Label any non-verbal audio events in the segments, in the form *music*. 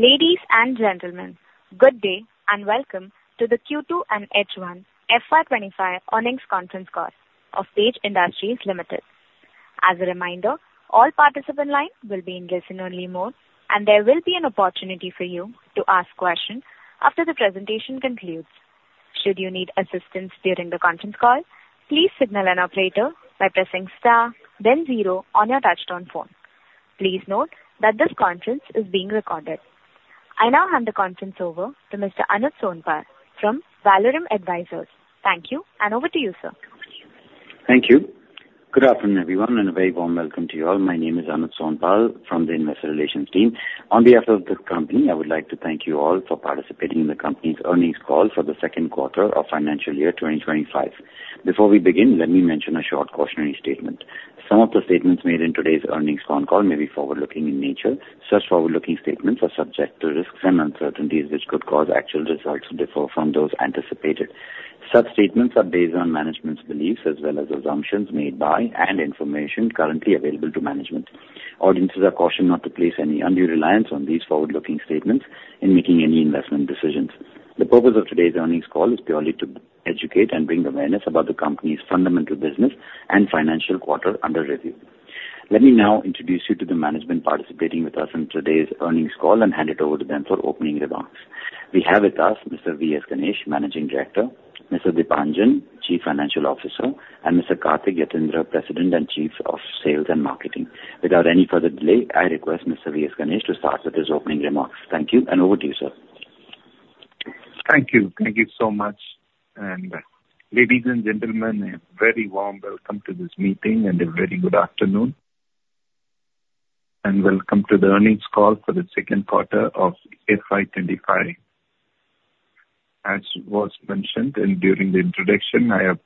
Ladies and gentlemen, good day and welcome to the Q2 and H1 FY 2025 earnings conference call of Page Industries Ltd. As a reminder, all participants' lines will be in listen-only mode, and there will be an opportunity for you to ask questions after the presentation concludes. Should you need assistance during the conference call, please signal an operator by pressing star, then zero on your touch-tone phone. Please note that this conference is being recorded. I now hand the conference over to Mr. Anuj Sonpal from Valorem Advisors. Thank you, and over to you, sir. Thank you. Good afternoon, everyone, and a very warm welcome to you all. My name is Anuj Sonpal from the Investor Relations team. On behalf of the company, I would like to thank you all for participating in the company's earnings call for the second quarter of financial year 2025. Before we begin, let me mention a short cautionary statement. Some of the statements made in today's earnings phone call may be forward-looking in nature. Such forward-looking statements are subject to risks and uncertainties which could cause actual results to differ from those anticipated. Such statements are based on management's beliefs as well as assumptions made by and information currently available to management. Audiences are cautioned not to place any undue reliance on these forward-looking statements in making any investment decisions. The purpose of today's earnings call is purely to educate and bring awareness about the company's fundamental business and financial quarter under review. Let me now introduce you to the management participating with us in today's earnings call and hand it over to them for opening remarks. We have with us Mr. V S Ganesh, Managing Director, Mr. Deepanjan, Chief Financial Officer, and Mr. Karthik Yathindra, President and Chief Sales and Marketing Officer. Without any further delay, I request Mr. V.S. Ganesh to start with his opening remarks. Thank you, and over to you, sir. Thank you. Thank you so much. And ladies and gentlemen, a very warm welcome to this meeting and a very good afternoon. And welcome to the earnings call for the second quarter of FY 2025. As was mentioned during the introduction, I have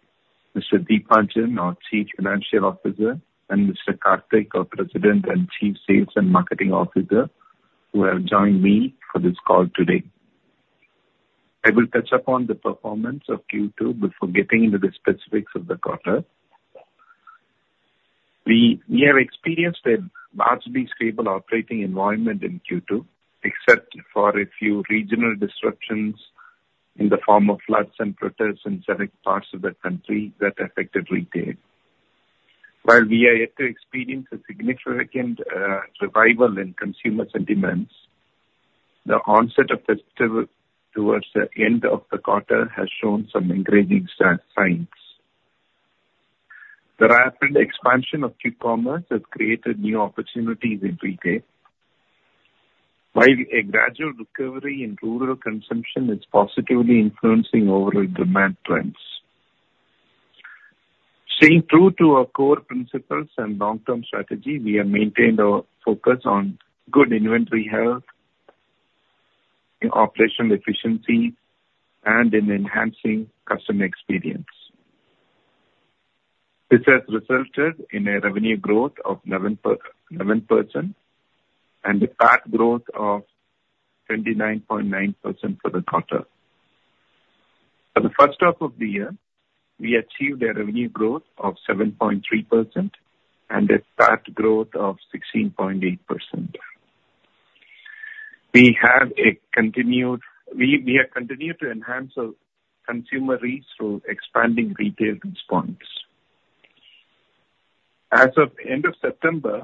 Mr. Deepanjan, our Chief Financial Officer, and Mr. Karthik, our President and Chief Sales and Marketing Officer, who have joined me for this call today. I will touch upon the performance of Q2 before getting into the specifics of the quarter. We have experienced a largely stable operating environment in Q2, except for a few regional disruptions in the form of floods and protests in several parts of the country that affected retail. While we are yet to experience a significant revival in consumer sentiments, the onset of festivals towards the end of the quarter has shown some encouraging signs. The rapid expansion of e-commerce has created new opportunities in retail, while a gradual recovery in rural consumption is positively influencing overall demand trends. Staying true to our core principles and long-term strategy, we have maintained our focus on good inventory health, operational efficiency, and in enhancing customer experience. This has resulted in a revenue growth of 11% and a PAT growth of 29.9% for the quarter. For the first half of the year, we achieved a revenue growth of 7.3% and a PAT growth of 16.8%. We have continued to enhance our consumer reach through expanding retail presence. As of the end of September,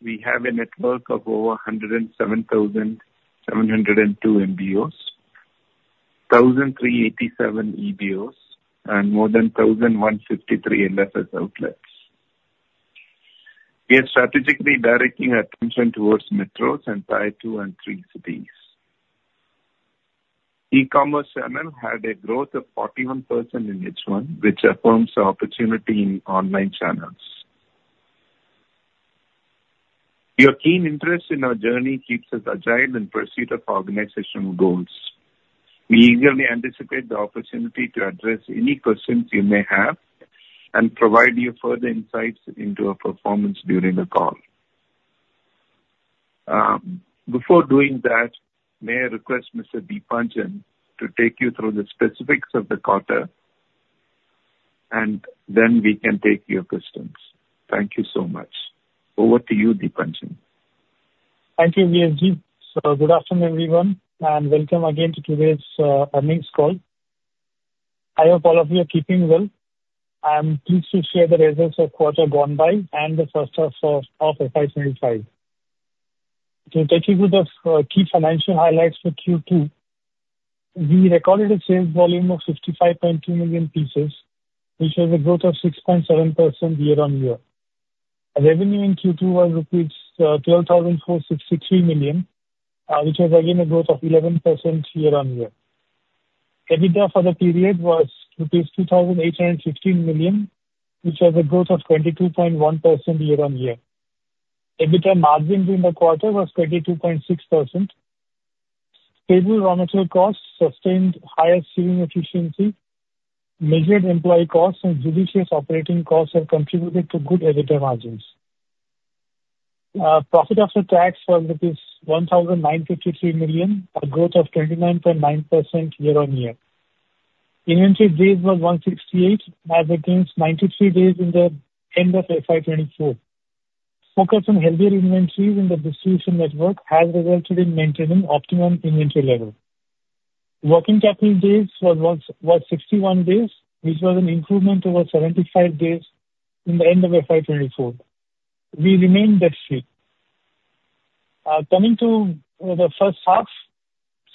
we have a network of over 107,702 MBOs, 1,387 EBOs, and more than 1,153 LFS outlets. We are strategically directing our attention towards metros and tier two and three cities. E-commerce channel had a growth of 41% in H1, which affirms our opportunity in online channels. Your keen interest in our journey keeps us agile in pursuit of organizational goals. We eagerly anticipate the opportunity to address any questions you may have and provide you further insights into our performance during the call. Before doing that, may I request Mr. Deepanjan to take you through the specifics of the quarter, and then we can take your questions. Thank you so much. Over to you, Deepanjan. Thank you, V S Ganesh. Good afternoon, everyone, and welcome again to today's earnings call. I hope all of you are keeping well. I'm pleased to share the results of quarter gone by and the first half of FY 2025. To take you through the key financial highlights for Q2, we recorded a sales volume of 55.2 million pieces, which was a growth of 6.7% year-on-year. Revenue in Q2 was rupees 12,463 million, which was again a growth of 11% year-on-year. EBITDA for the period was rupees 2,816 million, which was a growth of 22.1% year-on-year. EBITDA margin during the quarter was 22.6%. Stable raw material costs sustained higher sewing efficiency. Measured employee costs and judicious operating costs have contributed to good EBITDA margins. Profit after tax was rupees 1,953 million, a growth of 29.9% year-on-year. Inventory days were 168, as against 93 days in the end of FY 2024. Focus on healthier inventories in the distribution network has resulted in maintaining optimum inventory level. Working capital days were 61 days, which was an improvement over 75 days in the end of FY 2024. We remained that state. Coming to the first half,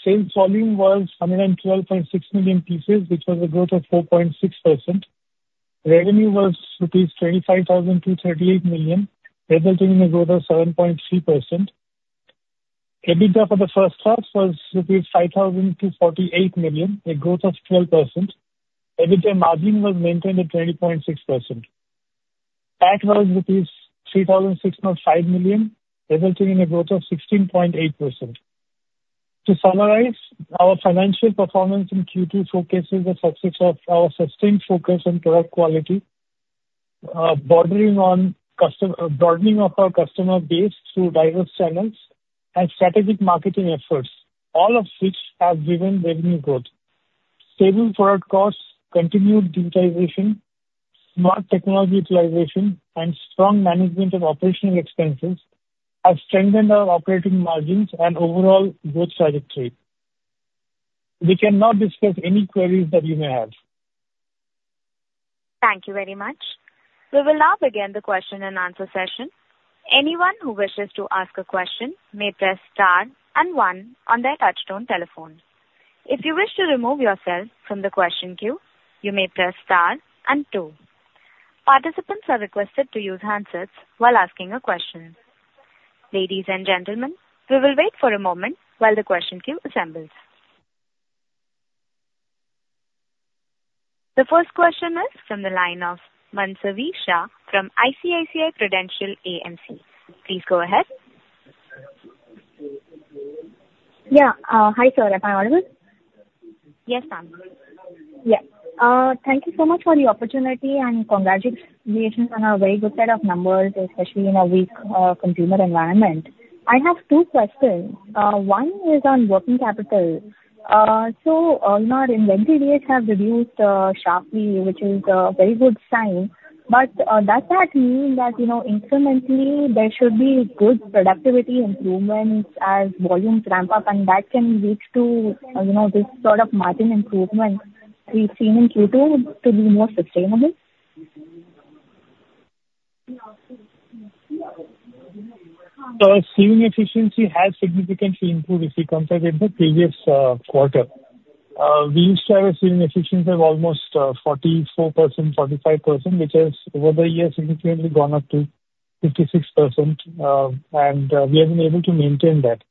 sales volume was 112.6 million pieces, which was a growth of 4.6%. Revenue was rupees 25,238 million, resulting in a growth of 7.3%. EBITDA for the first half was rupees 5,248 million, a growth of 12%. EBITDA margin was maintained at 20.6%. PAT was 3,605 million, resulting in a growth of 16.8%. To summarize, our financial performance in Q2 showcases the success of our sustained focus on product quality, broadening of our customer base through diverse channels, and strategic marketing efforts, all of which have driven revenue growth. Stable product costs, continued digitization, smart technology utilization, and strong management of operational expenses have strengthened our operating margins and overall growth trajectory. We can now discuss any queries that you may have. Thank you very much. We will now begin the question-and-answer session. Anyone who wishes to ask a question may press star and one on their touch-tone telephone. If you wish to remove yourself from the question queue, you may press star and two. Participants are requested to use handsets while asking a question. Ladies and gentlemen, we will wait for a moment while the question queue assembles. The first question is from the line of Manasvi Shah from ICICI Prudential AMC. Please go ahead. Yeah. Hi, sir. Am I audible? Yes, ma'am. Yes. Thank you so much for the opportunity and congratulations on a very good set of numbers, especially in a weak consumer environment. I have two questions. One is on working capital. So inventory rates have reduced sharply, which is a very good sign. But does that mean that incrementally there should be good productivity improvements as volumes ramp up and that can lead to this sort of margin improvement we've seen in Q2 to be more sustainable? Sewing efficiency has significantly improved if you consider the previous quarter. We used to have a sewing efficiency of almost 44%, 45%, which has over the year significantly gone up to 56%, and we have been able to maintain that.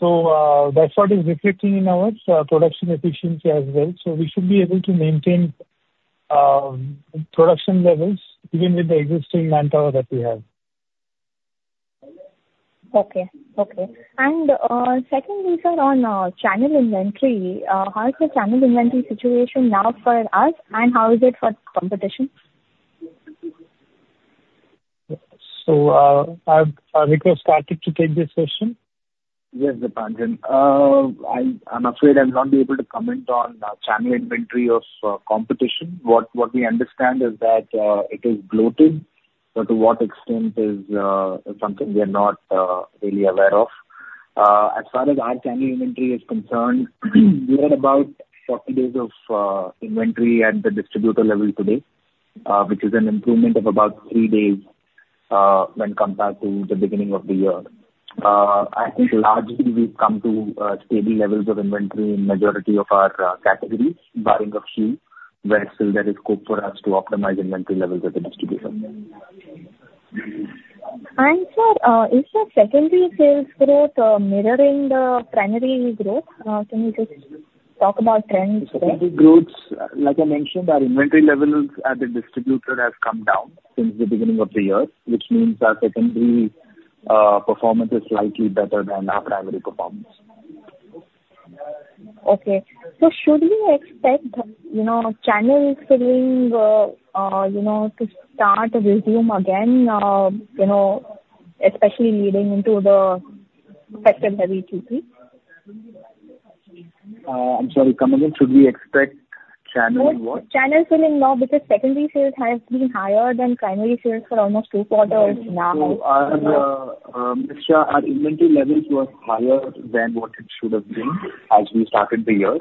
That's what is reflecting in our production efficiency as well. We should be able to maintain production levels even with the existing manpower that we have. Okay. Okay. And second, these are on channel inventory. How is the channel inventory situation now for us, and how is it for competition? So I'll request Karthik to take this question? Yes, Deepanjan. I'm afraid I'm not able to comment on channel inventory of competition. What we understand is that it is bloated, but to what extent is something we are not really aware of. As far as our channel inventory is concerned, we had about 40 days of inventory at the distributor level today, which is an improvement of about three days when compared to the beginning of the year. I think largely we've come to stable levels of inventory in the majority of our categories, barring a few where still there is scope for us to optimize inventory levels at the distribution. Sir, is the secondary sales growth mirroring the primary growth? Can you just talk about trends? The secondary growth, like I mentioned, our inventory levels at the distributor have come down since the beginning of the year, which means our secondary performance is slightly better than our primary performance. Okay. So should we expect channels to start to resume again, especially leading into the second heavy Q3? I'm sorry, come again? Should we expect channels what? Channels will be low because secondary sales have been higher than primary sales for almost two quarters now. So Ms. Shah, our inventory levels were higher than what it should have been as we started the year,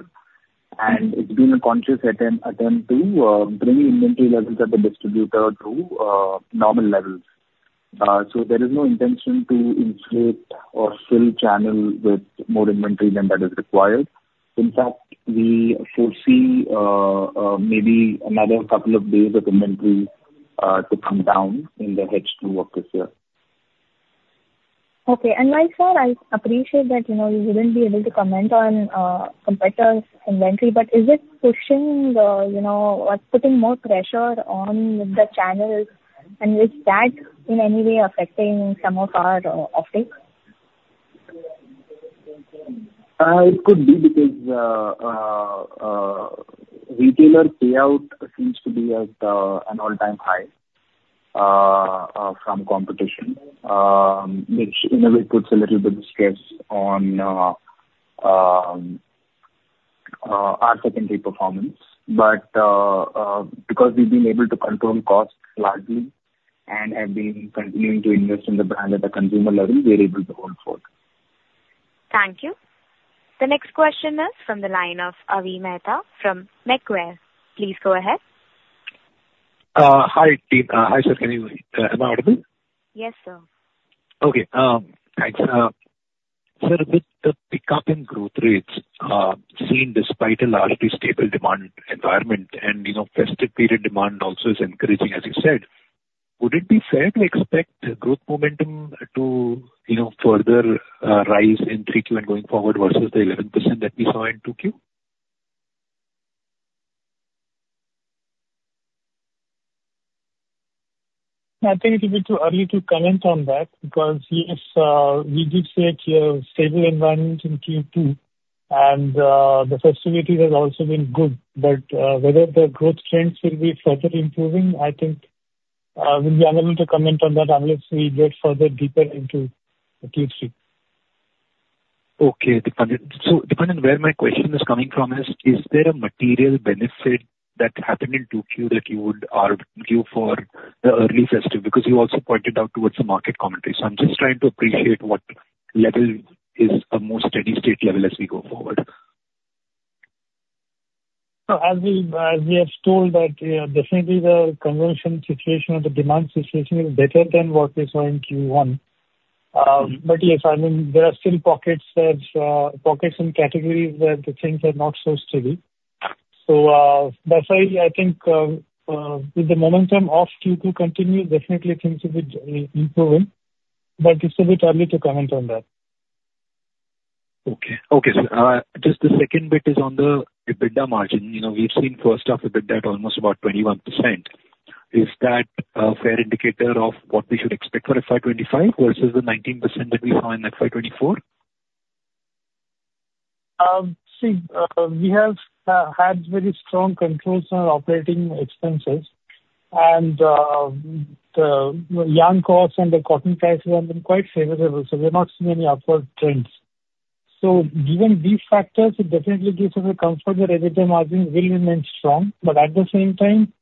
and it's been a conscious attempt to bring inventory levels at the distributor to normal levels. So there is no intention to inflate or fill channels with more inventory than that is required. In fact, we foresee maybe another couple of days of inventory to come down in the H2 of this year. Okay, and like I said, I appreciate that you wouldn't be able to comment on competitors' inventory, but is it pushing or putting more pressure on the channels, and is that in any way affecting some of our uptake? It could be because retailer payout seems to be at an all-time high from competition, which in a way puts a little bit of stress on our secondary performance. But because we've been able to control costs largely and have been continuing to invest in the brand at the consumer level, we are able to hold forward. Thank you. The next question is from the line of Avi Mehta from Macquarie. Please go ahead. Hi, sir. Can you hear me? Am I audible? Yes, sir. Okay. Thanks. Sir, with the pickup in growth rates seen despite a largely stable demand environment and festive period demand also is encouraging, as you said, would it be fair to expect growth momentum to further rise in 3Q and going forward versus the 11% that we saw in 2Q? I think it would be too early to comment on that because we did see a clear stable environment in Q2, and the festivities have also been good, but whether the growth trends will be further improving, I think we'll be unable to comment on that unless we get further deeper into Q3. Okay, Deepanjan. So Deepanjan, where my question is coming from is, is there a material benefit that happened in 2Q that you would argue for the early festive? Because you also pointed out towards the market commentary. So I'm just trying to appreciate what level is a more steady state level as we go forward. So as we have told that definitely the conversion situation or the demand situation is better than what we saw in Q1. But yes, I mean, there are still pockets and categories where the things are not so steady. So that's why I think with the momentum of Q2 continue, definitely things will be improving, but it's a bit early to comment on that. Okay. So just the second bit is on the EBITDA margin. We've seen first half EBITDA at almost about 21%. Is that a fair indicator of what we should expect for FY 2025 versus the 19% that we saw in FY 2024? See, we have had very strong control on our operating expenses, and the yarn costs and the cotton prices have been quite favorable, so we're not seeing any upward trends. So given these factors, it definitely gives us a comfort that EBITDA margin will remain strong. But at the same time,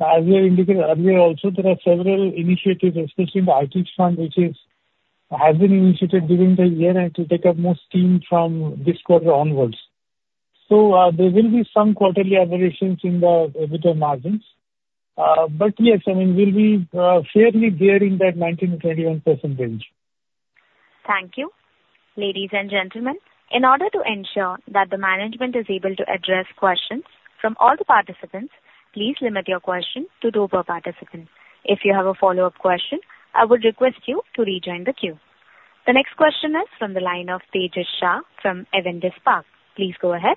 as we have indicated earlier also, there are several initiatives, especially in the IT fund, which has been initiated during the year and to take up more steam from this quarter onwards. So there will be some quarterly aberrations in the EBITDA margins, but yes, I mean, we'll be fairly gearing that 19%-21% range. Thank you. Ladies and gentlemen, in order to ensure that the management is able to address questions from all the participants, please limit your question to two per participant. If you have a follow-up question, I would request you to rejoin the queue. The next question is from the line of Tejas Shah from Avendus Spark. Please go ahead.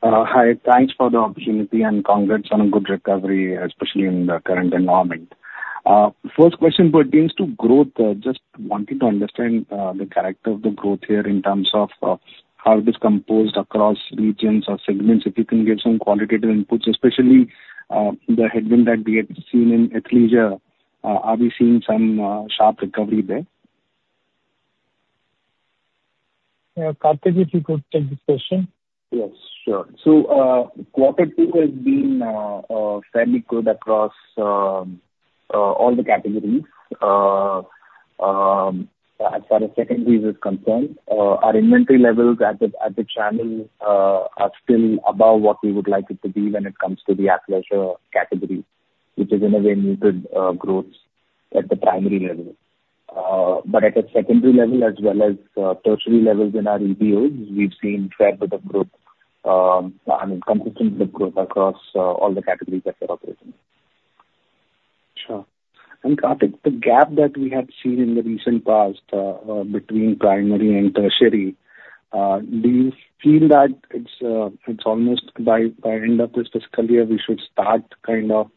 Hi. Thanks for the opportunity and congrats on a good recovery, especially in the current environment. First question pertains to growth. Just wanting to understand the character of the growth here in terms of how it is composed across regions or segments, if you can give some qualitative inputs, especially the headwind that we have seen in Athleisure. Are we seeing some sharp recovery there? Yeah. Karthik, if you could take this question. Yes. Sure. Quarter two has been fairly good across all the categories. As far as secondary is concerned, our inventory levels at the channel are still above what we would like it to be when it comes to the Athleisure category, which is in a way muted growth at the primary level. But at the secondary level, as well as tertiary levels in our EBOs, we've seen a fair bit of growth, I mean, consistent with growth across all the categories that we're operating. Sure. And Karthik, the gap that we have seen in the recent past between primary and tertiary, do you feel that it's almost by end of this fiscal year we should start kind of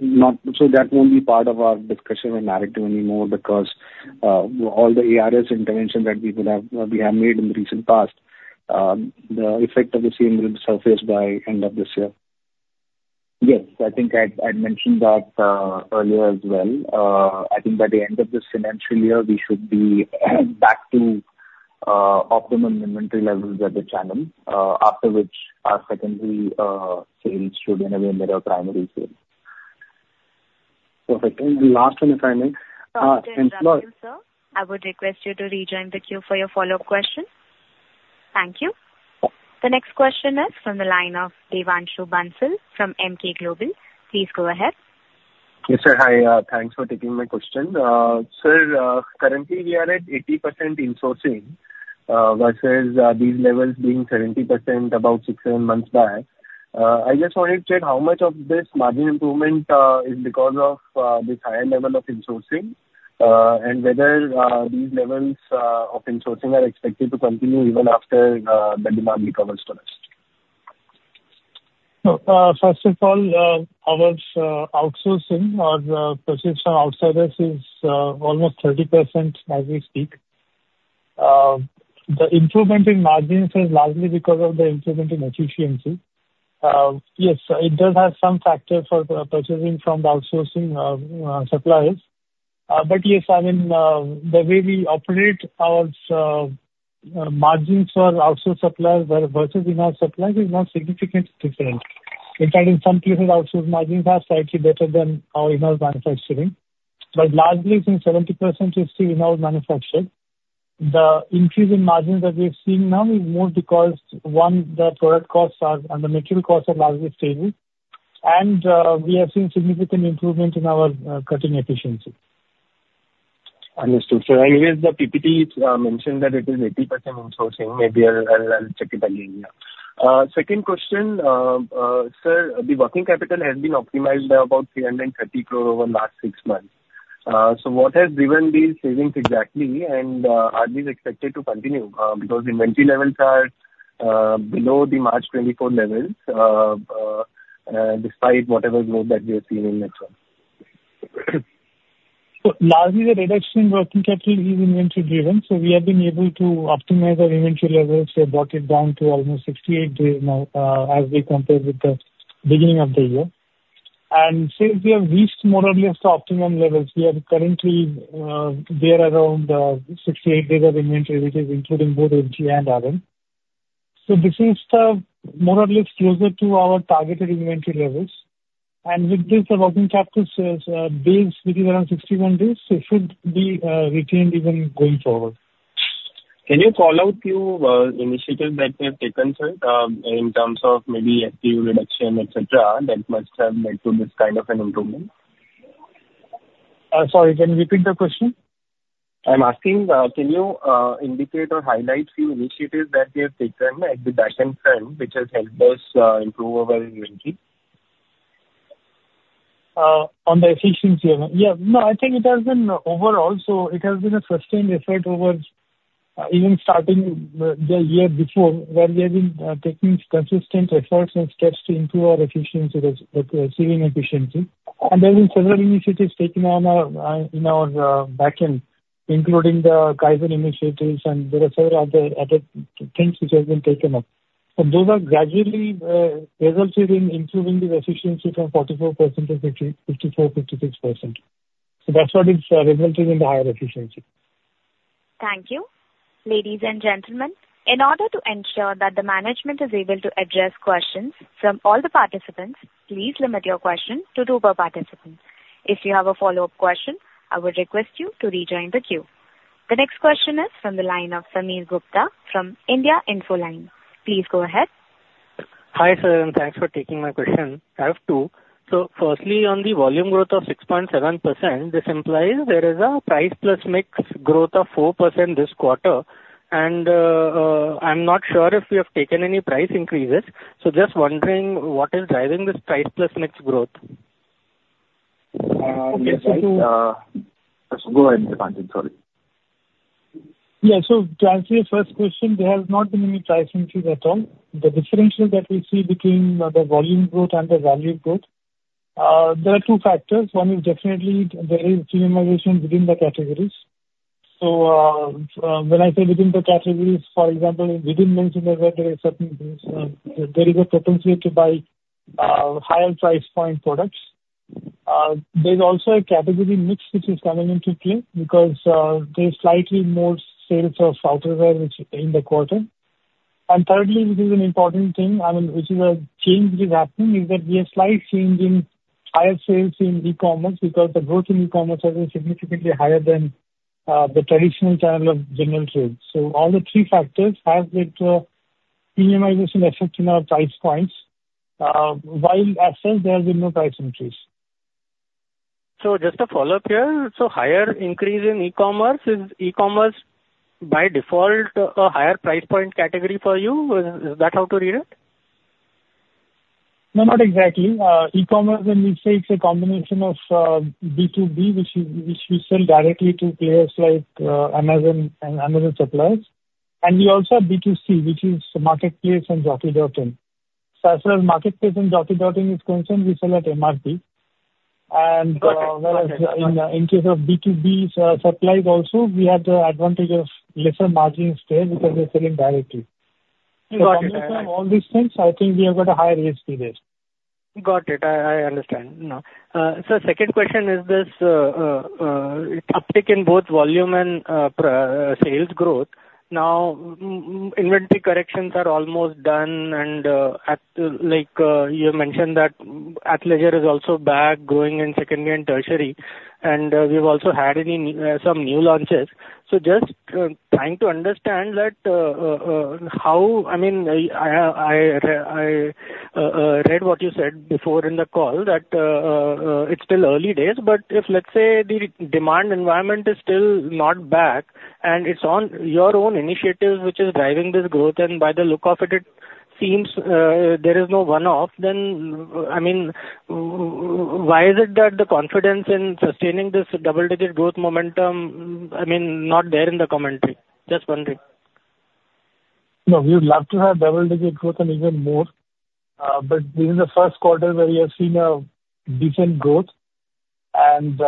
not so that won't be part of our discussion or narrative anymore, because all the ARS intervention that we have made in the recent past, the effect of the same will be surfaced by end of this year? Yes. I think I'd mentioned that earlier as well. I think by the end of this financial year, we should be back to optimum inventory levels at the channel, after which our secondary sales should in a way mirror primary sales. Perfect. And the last one, if I may. Tejas Shah himself, I would request you to rejoin the queue for your follow-up question. Thank you. The next question is from the line of Devanshu Bansal from Emkay Global. Please go ahead. Yes, sir. Hi. Thanks for taking my question. Sir, currently we are at 80% insourcing versus these levels being 70% about six to seven months back. I just wanted to check how much of this margin improvement is because of this higher level of insourcing and whether these levels of insourcing are expected to continue even after the demand recovers for us? So first of all, our outsourcing or purchase from outsiders is almost 30% as we speak. The improvement in margins is largely because of the improvement in efficiency. Yes, it does have some factor for purchasing from outsourcing suppliers. But yes, I mean, the way we operate our margins for outsourced suppliers versus in-house suppliers is not significantly different. In fact, in some places, outsourced margins are slightly better than our in-house manufacturing. But largely, since 70% is still in-house manufactured, the increase in margins that we're seeing now is more because, one, the product costs and the material costs are largely stable, and we have seen significant improvement in our cutting efficiency. Understood. So anyways, the PPT mentioned that it is 80% insourcing. Maybe I'll check it again. Second question, sir, the working capital has been optimized by about 330 crore over the last six months. So what has driven these savings exactly, and are these expected to continue? Because inventory levels are below the March 2024 levels, despite whatever growth that we have seen in the channel. So largely, the reduction in working capital is inventory-driven. So we have been able to optimize our inventory levels. We have brought it down to almost 68 days now as we compare with the beginning of the year. And since we have reached more or less the optimum levels, we are currently there around 68 days of inventory, which is including both FG and RM. So this is more or less closer to our targeted inventory levels. And with this, the working capital sales base, which is around 61 days, should be retained even going forward. Can you call out a few initiatives that we have taken, sir, in terms of maybe FTE reduction, etc., that must have led to this kind of an improvement? Sorry, can you repeat the question? I'm asking, can you indicate or highlight a few initiatives that we have taken at the [fashion trend], which has helped us improve our efficiency? On the efficiency, yeah. No, I think it has been overall. So it has been a sustained effort over even starting the year before when we have been taking consistent efforts and steps to improve our efficiency, saving efficiency. And there have been several initiatives taken on in our backend, including the Kaizen initiatives, and there are several other things which have been taken up. And those have gradually resulted in improving the efficiency from 44% to 54%-56%. So that's what is resulting in the higher efficiency. Thank you. Ladies and gentlemen, in order to ensure that the management is able to address questions from all the participants, please limit your question to two per participant. If you have a follow-up question, I would request you to rejoin the queue. The next question is from the line of Sameer Gupta from India Infoline. Please go ahead. Hi, sir, and thanks for taking my question. I have two, so firstly, on the volume growth of 6.7%, this implies there is a price-plus mix growth of 4% this quarter, and I'm not sure if we have taken any price increases, so just wondering what is driving this price-plus mix growth? *crosstalk* So go ahead, Deepanjan. Sorry. Yeah. So to answer your first question, there has not been any price increase at all. The differential that we see between the volume growth and the value growth, there are two factors. One is definitely there is premiumization within the categories. So when I say within the categories, for example, within innerwear, there is a propensity to buy higher price-point products. There's also a category mix which is coming into play because there's slightly more sales of outerwear in the quarter. And thirdly, which is an important thing, I mean, which is a change which is happening, is that we have slight change in higher sales in e-commerce because the growth in e-commerce has been significantly higher than the traditional channel of general trade. So all the three factors have made premiumization effect in our price points. While as such, there have been no price increase. Just to follow up here, so higher increase in e-commerce, is e-commerce by default a higher price point category for you? Is that how to read it? No, not exactly. E-commerce, when we say it's a combination of B2B, which we sell directly to players like Amazon and Amazon suppliers. And we also have B2C, which is Marketplace and Jockey.in. So as far as marketplace in Jockey.in is concerned, we sell at MRP. And in case of B2B suppliers also, we have the advantage of lesser margins there because we're selling directly. So in terms of all these things, I think we have got a higher ASP rate. Got it. I understand. So second question is this uptick in both volume and sales growth. Now, inventory corrections are almost done. And you mentioned that Athleisure is also back, growing in secondary and tertiary. And we've also had some new launches. So just trying to understand that how, I mean, I read what you said before in the call that it's still early days. But if, let's say, the demand environment is still not back and it's on your own initiative, which is driving this growth, and by the look of it, it seems there is no one-off, then I mean, why is it that the confidence in sustaining this double-digit growth momentum, I mean, not there in the commentary? Just wondering. No, we would love to have double-digit growth and even more. But during the first quarter, where we have seen a decent growth, and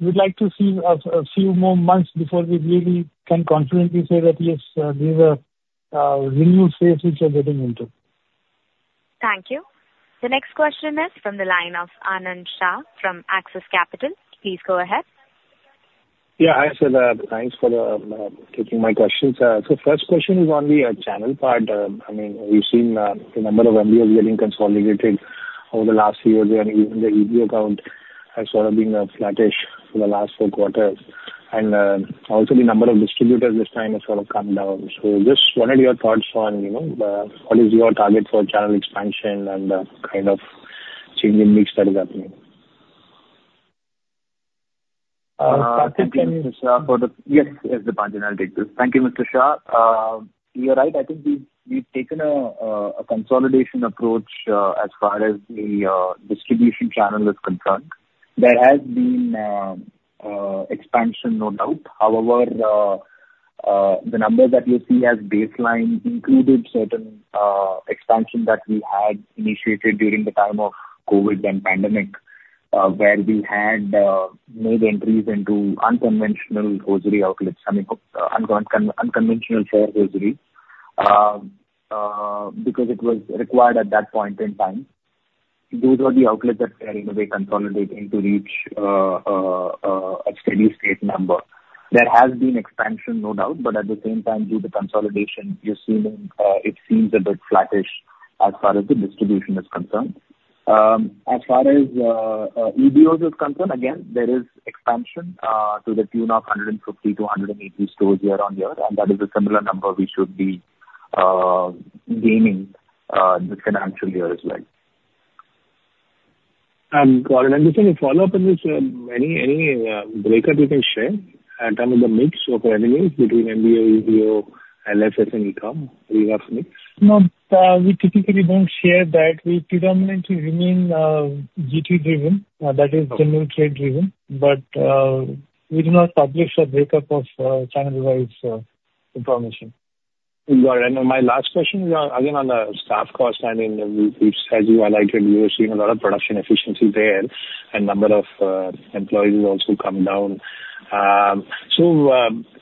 we'd like to see a few more months before we really can confidently say that, yes, these are renewal phases which we're getting into. Thank you. The next question is from the line of Anand Shah from Axis Capital. Please go ahead. Yeah. Hi, sir. Thanks for taking my questions. So first question is on the channel part. I mean, we've seen the number of *audio distortion* getting consolidated over the last few years, and even the EBO count has sort of been flat-ish for the last four quarters. And also, the number of distributors this time has sort of come down. So just wanted your thoughts on what is your target for channel expansion and the kind of changing mix that is happening. Thank you, Mr. Shah. Yes, Deepanjan, I'll take this. Thank you, Mr. Shah. You're right. I think we've taken a consolidation approach as far as the distribution channel is concerned. There has been expansion, no doubt. However, the numbers that you see as baseline included certain expansion that we had initiated during the time of COVID and pandemic, where we had made entries into unconventional hosiery outlets, I mean, unconventional saree hosiery, because it was required at that point in time. Those were the outlets that were in a way consolidating to reach a steady-state number. There has been expansion, no doubt. But at the same time, due to consolidation, it seems a bit flat-ish as far as the distribution is concerned. As far as EBOs are concerned, again, there is expansion to the tune of 150 to 180 stores year on year. That is a similar number we should be gaining this financial year as well. Karthik, I'm just going to follow up on this. Any breakup you can share of the mix of revenues between MBO, EBO, LFS, and e-com? Do you have mix? No, we typically don't share that. We predominantly remain GT-driven, that is, general trade-driven. But we do not publish a breakup of channel-wise information. Got it. And my last question is, again, on the staff cost. I mean, as you highlighted, you're seeing a lot of production efficiency there, and number of employees has also come down. So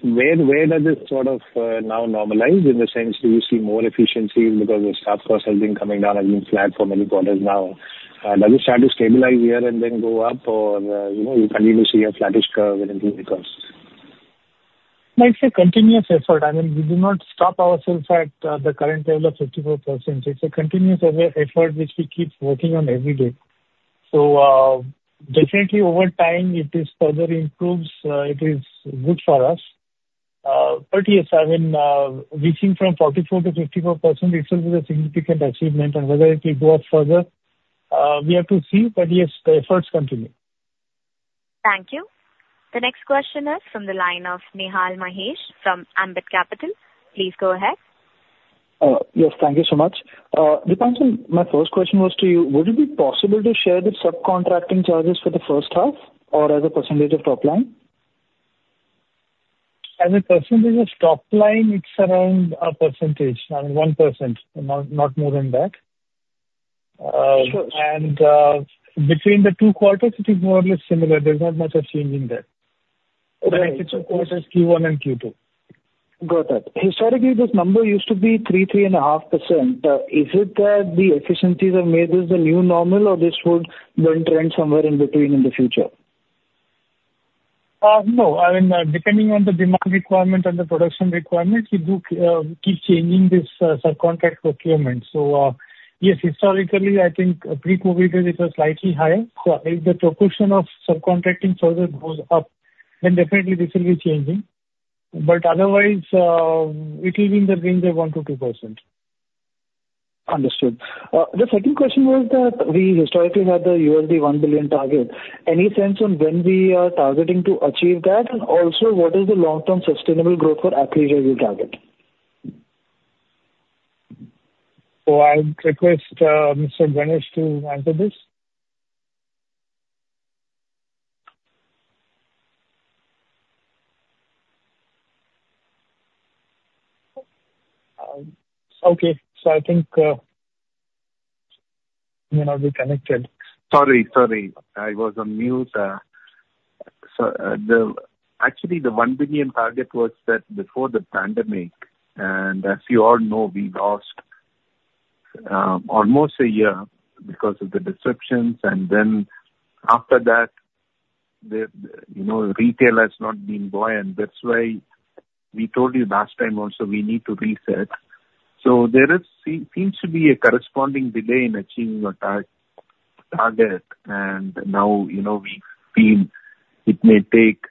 where does this sort of now normalize in the sense you see more efficiency because the staff cost has been coming down, has been flat for many quarters now? Does it start to stabilize here and then go up, or you continue to see a flattish curve in the ending results? No, it's a continuous effort. I mean, we do not stop ourselves at the current level of 54%. It's a continuous effort, which we keep working on every day. So definitely, over time, if this further improves, it is good for us. But yes, I mean, we've seen from 44%-54%, it's always a significant achievement. And whether it will go up further, we have to see. But yes, the efforts continue. Thank you. The next question is from the line of Nihal Mahesh from Ambit Capital. Please go ahead. Yes, thank you so much. Deepanjan, my first question was to you, would it be possible to share the subcontracting charges for the first half or as a percentage of top line? As a percentage of top line, it's around 1%, not more than that. Between the two quarters, it is more or less similar. There's not much change there. *crosstalk* The next two quarters, Q1 and Q2. Got it. Historically, this number used to be 3%-3.5%. Is it that the efficiencies have made this the new normal, or this would be a trend somewhere in between in the future? No. I mean, depending on the demand requirement and the production requirements, we do keep changing this subcontract procurement. So yes, historically, I think pre-COVID, it was slightly higher. So if the proportion of subcontracting further goes up, then definitely this will be changing. But otherwise, it will be in the range of 1%-2%. Understood. The second question was that we historically had the INR 1 billion target. Any sense on when we are targeting to achieve that? And also, what is the long-term sustainable growth for Athleisure you target? I'll request Mr. Ganesh to answer this. Okay, so I think we're not reconnected. Sorry, sorry. I was on mute. Actually, the 1 billion target was set before the pandemic, and as you all know, we lost almost a year because of the disruptions, and then after that, retail has not been buoyant. That's why we told you last time also we need to reset, so there seems to be a corresponding delay in achieving our target, and now we feel it may take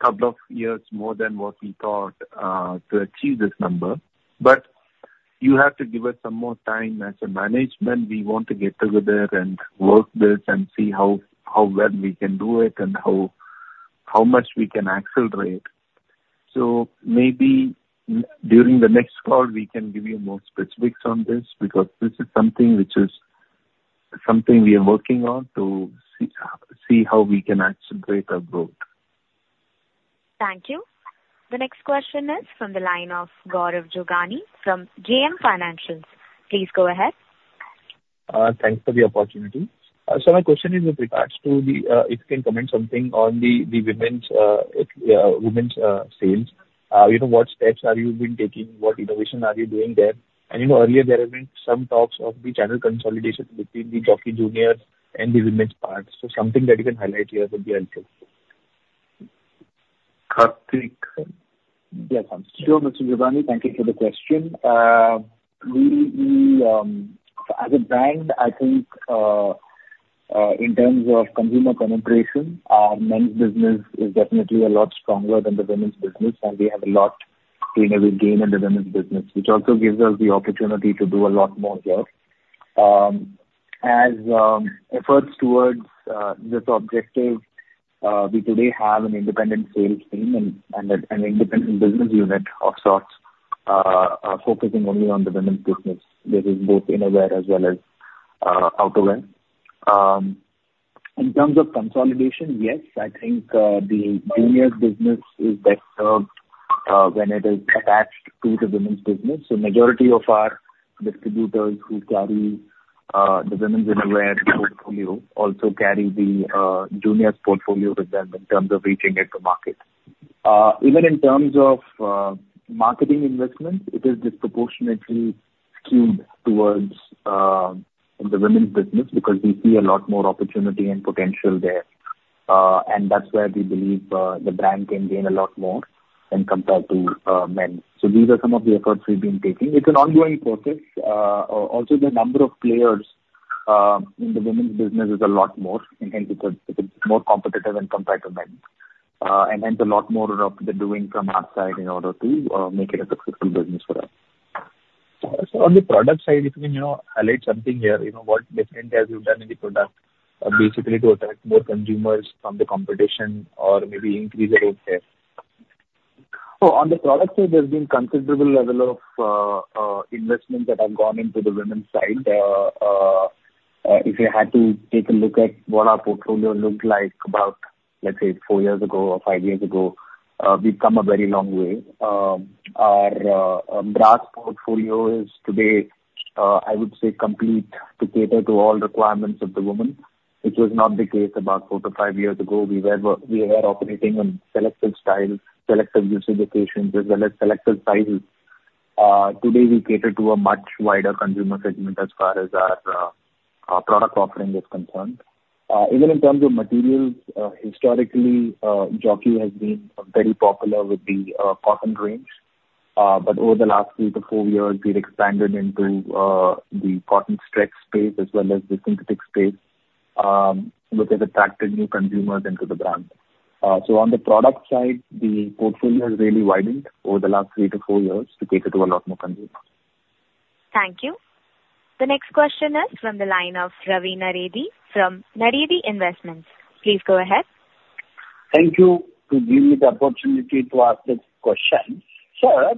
a couple of years more than what we thought to achieve this number, but you have to give us some more time as a management. We want to get together and work this and see how well we can do it and how much we can accelerate. So maybe during the next call, we can give you more specifics on this because this is something we are working on to see how we can accelerate our growth. Thank you. The next question is from the line of Gaurav Jogani from JM Financial. Please go ahead. Thanks for the opportunity. So my question is with regards to if you can comment something on the women's sales. What steps have you been taking? What innovation are you doing there? And earlier, there have been some talks of the channel consolidation between the Jockey Junior and the women's parts. So something that you can highlight here would be helpful. Karthik. Yes, I'm still here. Sure, Mr. Jogani. Thank you for the question. As a brand, I think in terms of consumer penetration, our men's business is definitely a lot stronger than the women's business, and we have a lot of innovation to gain in the women's business, which also gives us the opportunity to do a lot more here. Our efforts towards this objective, we today have an independent sales team and an independent business unit of sorts focusing only on the women's business. This is both innerwear as well as outerwear. In terms of consolidation, yes, I think the Juniors business is best served when it is attached to the women's business, so the majority of our distributors who carry the women's innerwear portfolio also carry the Junior's portfolio with them in terms of reaching it to market. Even in terms of marketing investment, it is disproportionately skewed towards the women's business because we see a lot more opportunity and potential there. And that's where we believe the brand can gain a lot more when compared to men. So these are some of the efforts we've been taking. It's an ongoing process. Also, the number of players in the women's business is a lot more. And hence, it's more competitive when compared to men. And hence, a lot more of the doing from our side in order to make it a successful business for us. So on the product side, if you can highlight something here, what different have you done in the product basically to attract more consumers from the competition or maybe increase the growth there? So on the product side, there's been a considerable level of investment that has gone into the women's side. If you had to take a look at what our portfolio looked like about, let's say, four years ago or five years ago, we've come a very long way. Our bras portfolio is today, I would say, complete to cater to all requirements of the women, which was not the case about four to five years ago. We were operating on selective styles, selective usage occasions, as well as selective sizes. Today, we cater to a much wider consumer segment as far as our product offering is concerned. Even in terms of materials, historically, Jockey has been very popular with the cotton range. Over the last three to four years, we've expanded into the cotton stretch space as well as the synthetic space, which has attracted new consumers into the brand. On the product side, the portfolio has really widened over the last three to four years to cater to a lot more consumers. Thank you. The next question is from the line of Ravi Naredi from Naredi Investment. Please go ahead. Thank you for giving me the opportunity to ask this question. Sir,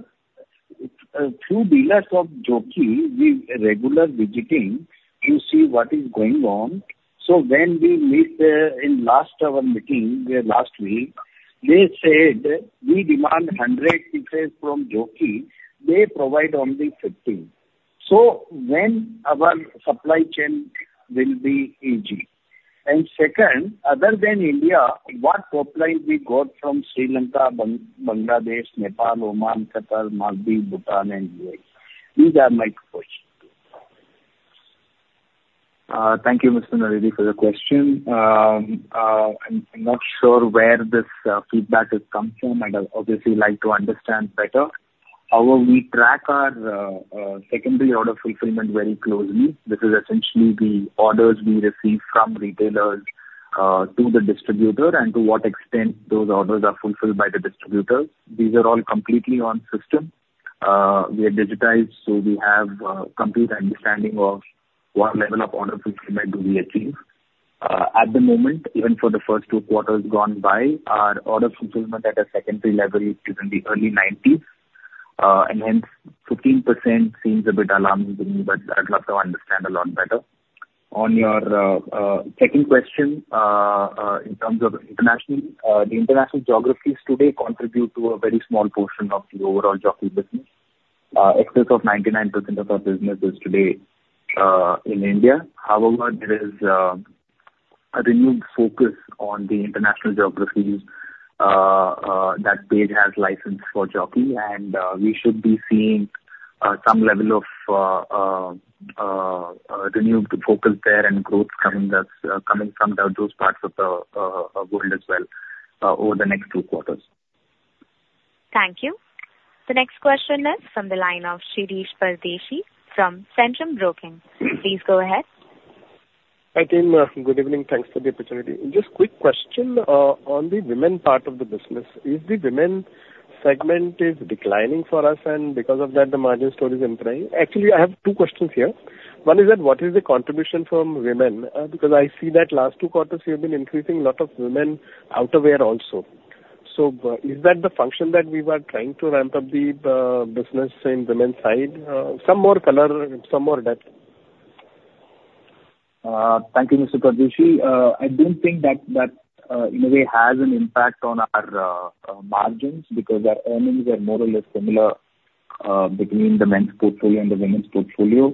through dealers of Jockey, we regularly visiting to see what is going on. So when we met in last our meeting last week, they said, "We demand 100 pieces from Jockey. They provide only 15." So when our supply chain will be easy? And second, other than India, what top line we got from Sri Lanka, Bangladesh, Nepal, Oman, Qatar, Maldives, Bhutan, and U.S.? These are my questions. Thank you, Mr. Naredi, for the question. I'm not sure where this feedback has come from. I'd obviously like to understand better. However, we track our secondary order fulfillment very closely. This is essentially the orders we receive from retailers to the distributor and to what extent those orders are fulfilled by the distributors. These are all completely on system. We are digitized, so we have a complete understanding of what level of order fulfillment do we achieve. At the moment, even for the first two quarters gone by, our order fulfillment at a secondary level is in the early 90s, and hence, 15% seems a bit alarming to me, but I'd love to understand a lot better. On your second question, in terms of international, the international geographies today contribute to a very small portion of the overall Jockey business. Excess of 99% of our business is today in India. However, there is a renewed focus on the international geographies that Page has licensed for Jockey, and we should be seeing some level of renewed focus there and growth coming from those parts of the world as well over the next two quarters. Thank you. The next question is from the line of Shirish Pardeshi from Centrum Broking. Please go ahead. Hi, team. Good evening. Thanks for the opportunity. Just a quick question on the women's part of the business. Is the women's segment declining for us? And because of that, the margin story is inclining? Actually, I have two questions here. One is that what is the contribution from women? Because I see that last two quarters, you've been increasing a lot of women's outerwear also. So is that the function that we were trying to ramp up the business in women's side? Some more color, some more depth. Thank you, Mr. Pardeshi. I don't think that in a way has an impact on our margins because our earnings are more or less similar between the men's portfolio and the women's portfolio.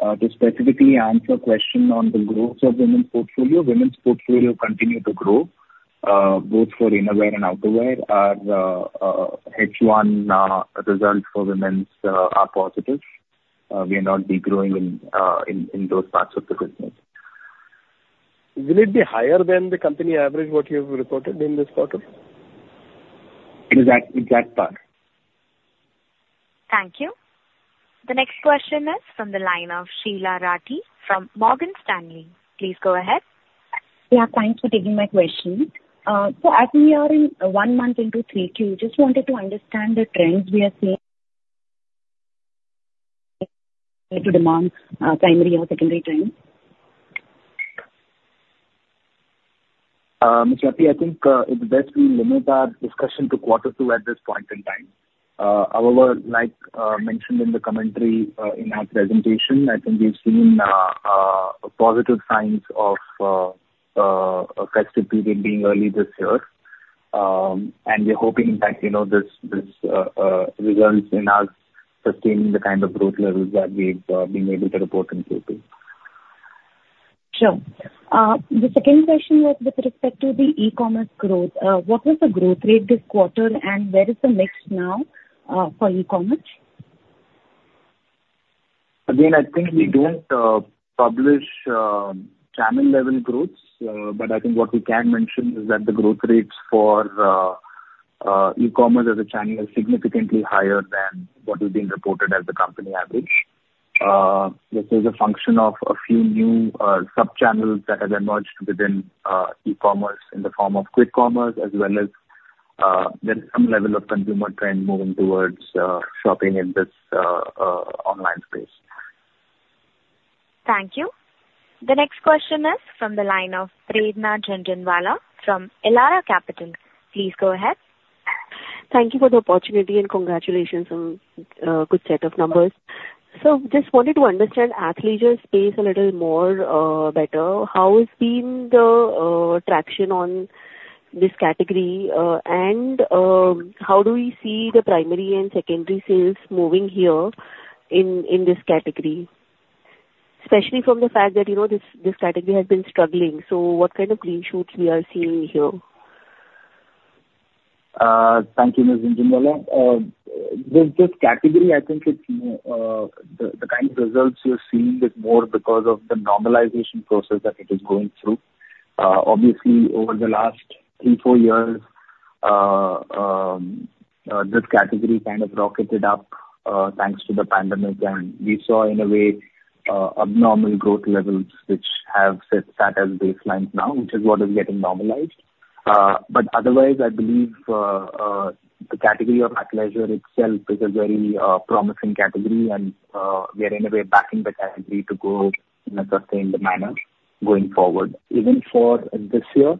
To specifically answer a question on the growth of women's portfolio, women's portfolio continue to grow, both for innerwear and outerwear. Our H1 results for women's are positive. We are not degrowing in those parts of the business. Will it be higher than the company average, what you've reported in this quarter? Exactly. Exact part. Thank you. The next question is from the line of Sheela Rathi from Morgan Stanley. Please go ahead. Yeah, thanks for taking my question. So as we are one month into Q2, just wanted to understand the trends we are seeing to demand primary or secondary trends? Ms. Rathi, I think it's best we limit our discussion to quarter two at this point in time. However, like mentioned in the commentary in our presentation, I think we've seen positive signs of a festive period being early this year, and we're hoping that this results in us sustaining the kind of growth levels that we've been able to report in Q2. Sure. The second question was with respect to the e-commerce growth. What was the growth rate this quarter, and where is the mix now for e-commerce? Again, I think we don't publish channel-level growths. But I think what we can mention is that the growth rates for e-commerce as a channel are significantly higher than what has been reported as the company average. This is a function of a few new sub-channels that have emerged within e-commerce in the form of quick commerce, as well as there is some level of consumer trend moving towards shopping in this online space. Thank you. The next question is from the line of Prerna Jhunjhunwala from Elara Capital. Please go ahead. Thank you for the opportunity and congratulations on a good set of numbers. So just wanted to understand Athleisure's space a little more better. How has been the traction on this category? And how do we see the primary and secondary sales moving here in this category? Especially from the fact that this category has been struggling. So what kind of green shoots we are seeing here? Thank you, Ms. Jhunjhunwala. With this category, I think the kind of results you're seeing is more because of the normalization process that it is going through. Obviously, over the last three, four years, this category kind of rocketed up thanks to the pandemic. And we saw, in a way, abnormal growth levels, which have sat as baselines now, which is what is getting normalized. But otherwise, I believe the category of Athleisure itself is a very promising category. And we are, in a way, backing the category to grow in a sustained manner going forward. Even for this year,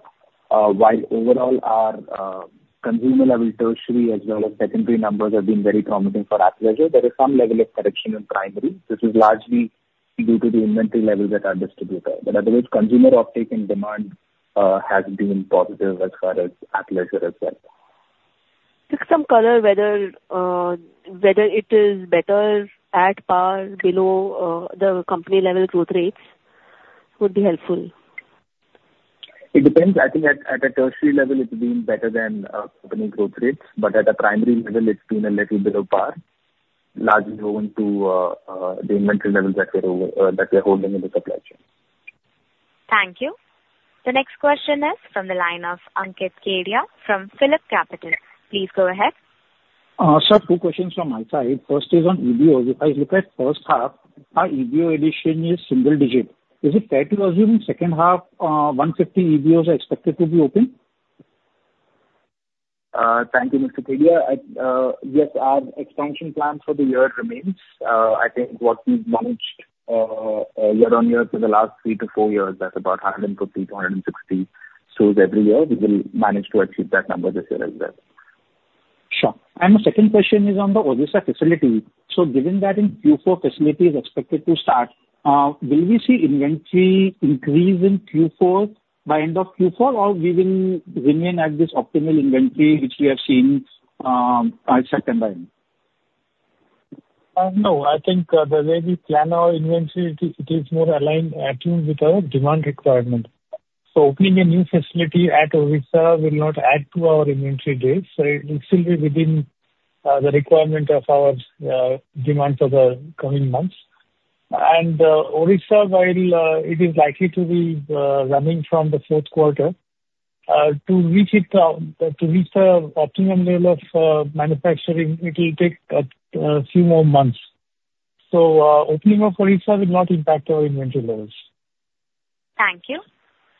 while overall our consumer-level tertiary as well as secondary numbers have been very promising for Athleisure, there is some level of correction in primary. This is largely due to the inventory levels at our distributor. But otherwise, consumer uptake and demand has been positive as far as Athleisure is concerned. Just some color, whether it is better, at par, below the company-level growth rates would be helpful. It depends. I think at a tertiary level, it's been better than company growth rates. But at a primary level, it's been a little bit on par, largely owing to the inventory levels that we're holding in the supply chain. Thank you. The next question is from the line of Ankit Kedia from PhillipCapital. Please go ahead. Sir, two questions from my side. First is on EBOs. If I look at first half, our EBO addition is single digit. Is it fair to assume second half, 150 EBOs are expected to be open? Thank you, Mr. Kedia. Yes, our expansion plan for the year remains. I think what we've managed year on year for the last three to four years, that's about 150-160 stores every year. We will manage to achieve that number this year as well. Sure. And the second question is on the Odisha facility. So given that in Q4, facility is expected to start, will we see inventory increase in Q4 by end of Q4, or will we remain at this optimal inventory which we have seen by September end? No, I think the way we plan our inventory, it is more aligned, attuned with our demand requirement, so opening a new facility at Odisha will not add to our inventory days, so it will still be within the requirement of our demand for the coming months, and Odisha, while it is likely to be running from the fourth quarter, to reach the optimum level of manufacturing, it will take a few more months, so opening of Odisha will not impact our inventory levels. Thank you.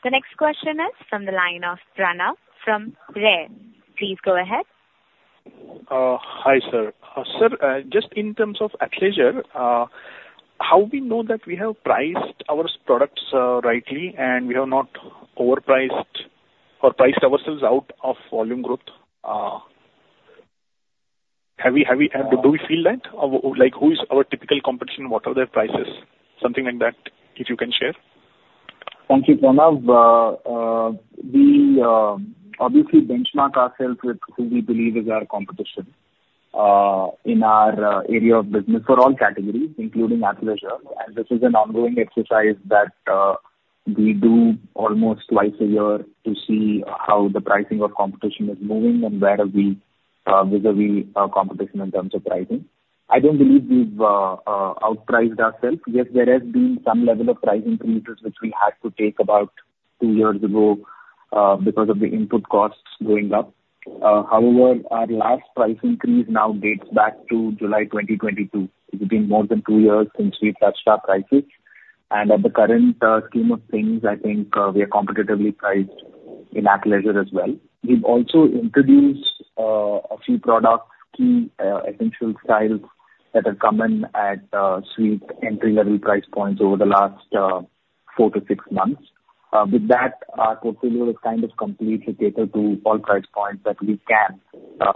The next question is from the line of Pranav from Renaissance. Please go ahead. Hi, sir. Sir, just in terms of Athleisure, how do we know that we have priced our products rightly and we have not overpriced or priced ourselves out of volume growth? Do we feel that? Who is our typical competition? What are their prices? Something like that, if you can share. Thank you, Pranav. We obviously benchmark ourselves with who we believe is our competition in our area of business for all categories, including Athleisure. And this is an ongoing exercise that we do almost twice a year to see how the pricing of competition is moving and where are we vis-à-vis competition in terms of pricing. I don't believe we've outpriced ourselves. Yes, there has been some level of pricing increases which we had to take about two years ago because of the input costs going up. However, our last price increase now dates back to July 2022. It's been more than two years since we touched our prices. And at the current scheme of things, I think we are competitively priced in Athleisure as well. We've also introduced a few products, key essential styles that have come in at sweet entry-level price points over the last four to six months. With that, our portfolio is kind of completely catered to all price points that we can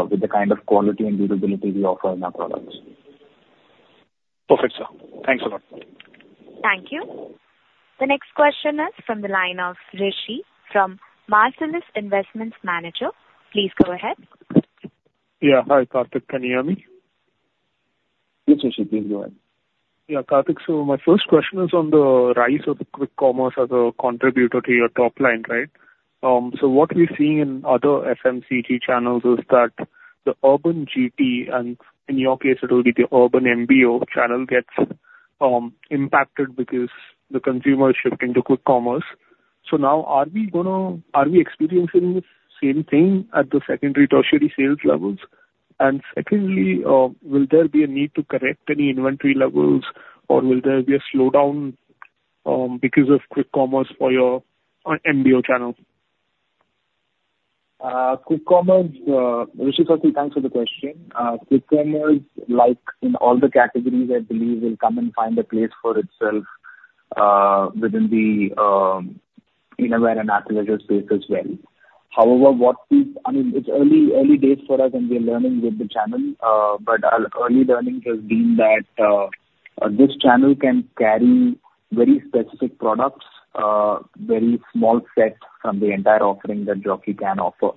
with the kind of quality and durability we offer in our products. Perfect, sir. Thanks a lot. Thank you. The next question is from the line of Rishi from Marcellus Investment Managers. Please go ahead. Yeah. Hi, Karthik. Can you hear me? Yes, Rishi. Please go ahead. Yeah, Karthik. So my first question is on the rise of quick commerce as a contributor to your top line, right? So what we're seeing in other FMCG channels is that the urban GT, and in your case, it will be the urban MBO channel, gets impacted because the consumer is shifting to quick commerce. So now, are we experiencing the same thing at the secondary tertiary sales levels? And secondly, will there be a need to correct any inventory levels, or will there be a slowdown because of quick commerce for your MBO channel? Rishi, thanks for the question. Quick commerce, like in all the categories, I believe, will come and find a place for itself within the innerwear and outerwear space as well. However, what I mean, it's early days for us, and we're learning with the channel. But our early learning has been that this channel can carry very specific products, very small sets from the entire offering that Jockey can offer.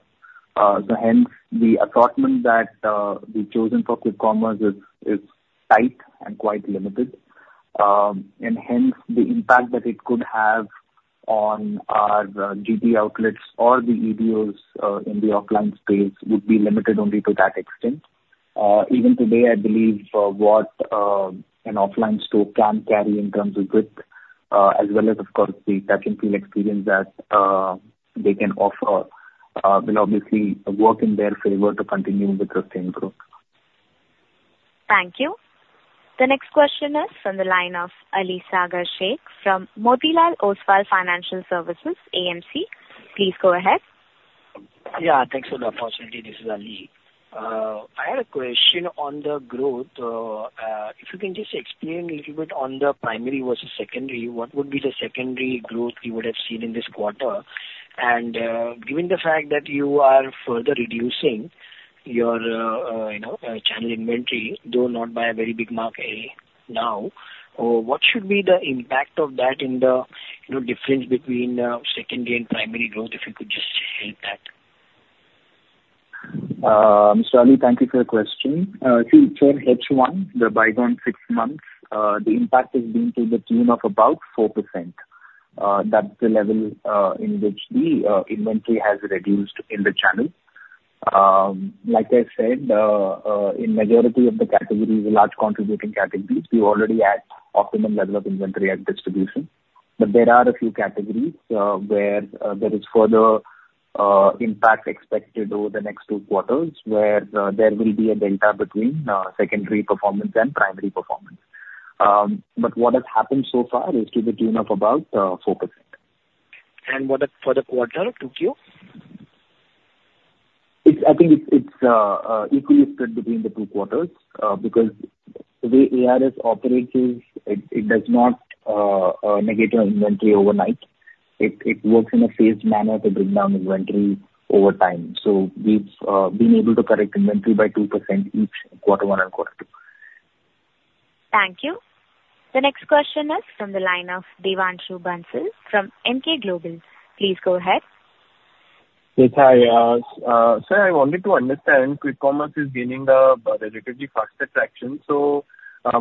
So hence, the assortment that we've chosen for quick commerce is tight and quite Ltd. And hence, the impact that it could have on our GT outlets or the EBOs in the offline space would be Ltd only to that extent. Even today, I believe what an offline store can carry in terms of width, as well as, of course, the touch-and-feel experience that they can offer, will obviously work in their favor to continue with sustained growth. Thank you. The next question is from the line of Aliasgar Shakir from Motilal Oswal Financial Services. Please go ahead. Yeah. Thanks for the opportunity. This is Ali. I had a question on the growth. If you can just explain a little bit on the primary versus secondary, what would be the secondary growth you would have seen in this quarter? And given the fact that you are further reducing your channel inventory, though not by a very big mark now, what should be the impact of that in the difference between secondary and primary growth, if you could just share that? Mr. Ali, thank you for the question. To ensure H1, the bygone six months, the impact has been to the tune of about 4%. That's the level in which the inventory has reduced in the channel. Like I said, in the majority of the categories, the large contributing categories, we already had optimum level of inventory at distribution. But there are a few categories where there is further impact expected over the next two quarters, where there will be a delta between secondary performance and primary performance. But what has happened so far is to the tune of about 4%. What for the quarter 2Q? I think it's equally split between the two quarters because the way ARS operates, it does not negate our inventory overnight. It works in a phased manner to bring down inventory over time, so we've been able to correct inventory by 2% each quarter one and quarter two. Thank you. The next question is from the line of Devanshu Bansal from Emkay Global. Please go ahead. Yes, hi. Sir, I wanted to understand quick commerce is gaining a relatively fast traction. So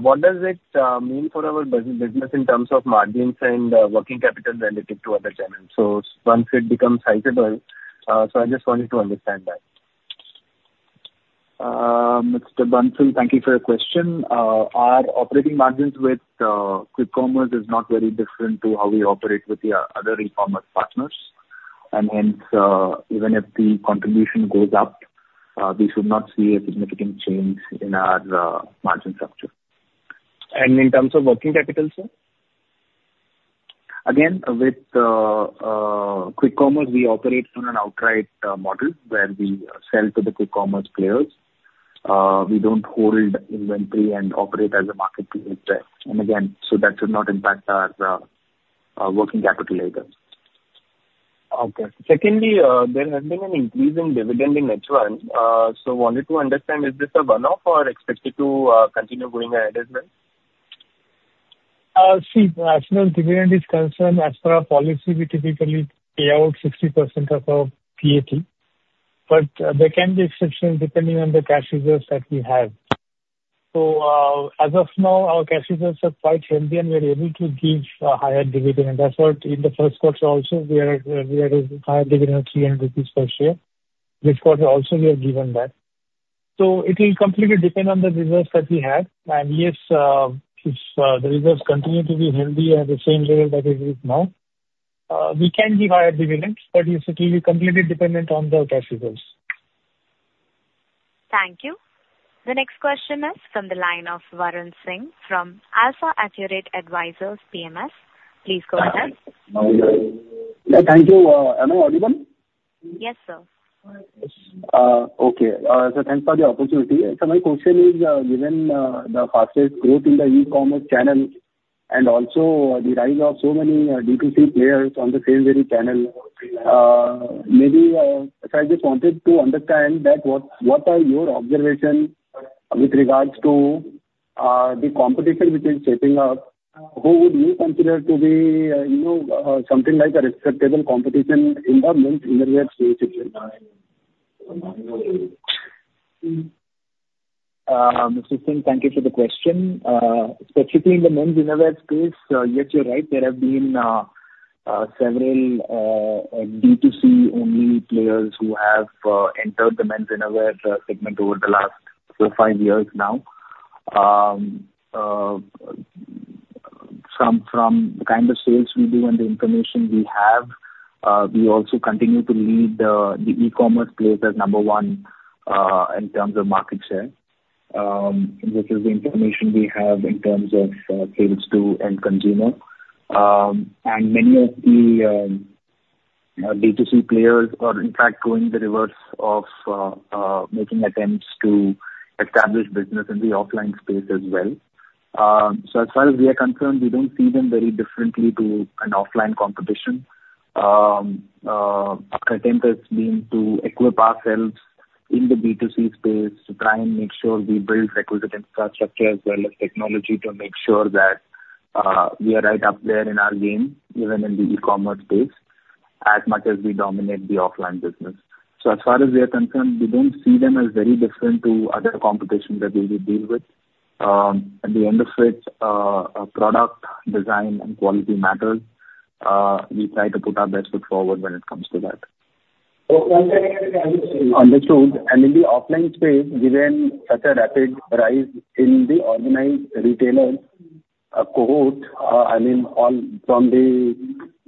what does it mean for our business in terms of margins and working capital relative to other channels? So once it becomes sizable, so I just wanted to understand that. Mr. Bansal, thank you for your question. Our operating margins with quick commerce is not very different to how we operate with the other e-commerce partners. And hence, even if the contribution goes up, we should not see a significant change in our margin structure. In terms of working capital, sir? Again, with quick commerce, we operate on an outright model where we sell to the quick commerce players. We don't hold inventory and operate as a marketplace itself. And again, so that should not impact our working capital either. Okay. Secondly, there has been an increase in dividend in H1. So I wanted to understand, is this a one-off or expected to continue going ahead as well? See, as far as dividend is concerned, as per our policy, we typically pay out 60% of our PAT. But there can be exceptions depending on the cash reserves that we have. So as of now, our cash reserves are quite healthy, and we are able to give a higher dividend. That's what in the first quarter also, we had a higher dividend of 300 rupees per share. This quarter also, we have given that. So it will completely depend on the reserves that we have. Yes, if the reserves continue to be healthy at the same level that it is now, we can give higher dividends. But it's completely dependent on the cash reserves. Thank you. The next question is from the line of Varun Singh from AlfaAccurate Advisors, PMS. Please go ahead. Thank you. Am I audible? Yes, sir. Okay. So thanks for the opportunity. So my question is, given the fastest growth in the e-commerce channel and also the rise of so many B2C players on the same very channel, maybe I just wanted to understand that what are your observations with regards to the competition which is shaping up? Who would you consider to be something like a respectable competition in the men's innerwear space? Mr. Singh, thank you for the question. Specifically in the men's innerwear space, yes, you're right. There have been several B2C-only players who have entered the men's innerwear segment over the last four or five years now. From the kind of sales we do and the information we have, we also continue to lead the e-commerce space as number one in terms of market share, which is the information we have in terms of sales to end consumer. Many of the B2C players are in fact going the reverse of making attempts to establish business in the offline space as well. As far as we are concerned, we don't see them very differently to an offline competition. Our attempt has been to equip ourselves in the B2C space to try and make sure we build requisite infrastructure as well as technology to make sure that we are right up there in our game, even in the e-commerce space, as much as we dominate the offline business. As far as we are concerned, we don't see them as very different to other competition that we will deal with. At the end of it, product design and quality matter. We try to put our best foot forward when it comes to that. Understood. In the offline space, given such a rapid rise in the organized retailers' cohort, I mean, from the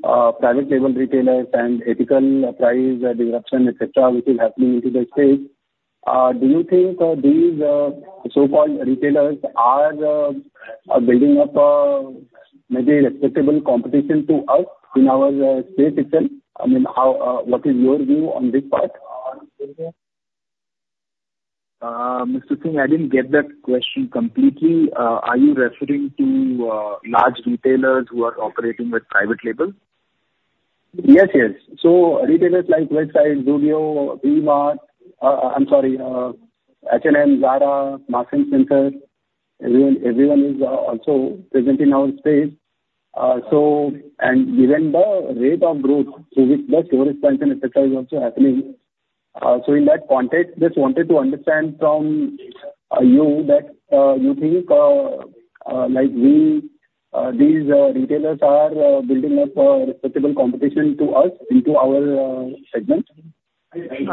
private label retailers and aggressive price disruption, etc., which is happening into the space, do you think these so-called retailers are building up a maybe respectable competition to us in our space itself? I mean, what is your view on this part? Mr. Singh, I didn't get that question completely. Are you referring to large retailers who are operating with private label? Yes, yes. So retailers like Westside, Zudio, V-Mart, I'm sorry, H&M, Zara, Marks & Spencer, everyone is also present in our space. And given the rate of growth with the store expansion, etc., is also happening. So in that context, just wanted to understand from you that you think these retailers are building up a respectable competition to us into our segment? *crosstalk* We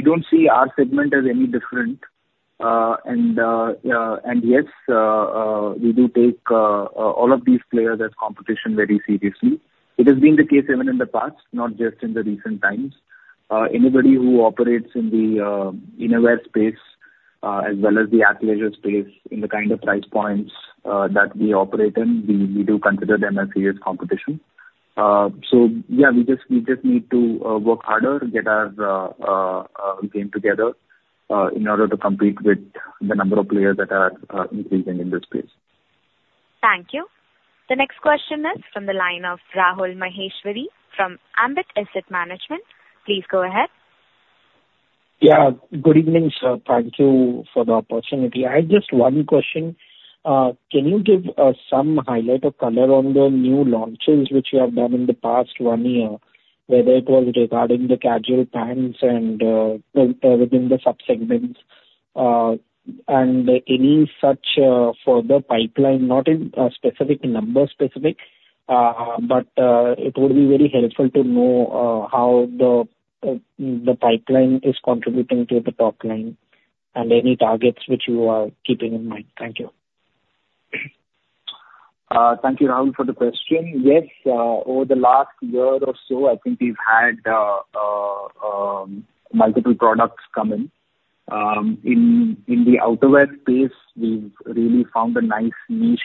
don't see our segment as any different, and yes, we do take all of these players as competition very seriously. It has been the case even in the past, not just in the recent times. Anybody who operates in the innerwear space as well as the outerwear space in the kind of price points that we operate in, we do consider them as serious competition, so yeah, we just need to work harder, get our game together in order to compete with the number of players that are increasing in this space. Thank you. The next question is from the line of Rahul Maheshwari from Ambit Asset Management. Please go ahead. Yeah. Good evening, sir. Thank you for the opportunity. I had just one question. Can you give some highlight of color on the new launches which you have done in the past one year, whether it was regarding the casual pants and within the subsegments, and any such further pipeline, not in specific number specific, but it would be very helpful to know how the pipeline is contributing to the top line and any targets which you are keeping in mind. Thank you. Thank you, Rahul, for the question. Yes, over the last year or so, I think we've had multiple products come in. In the outerwear space, we've really found a nice niche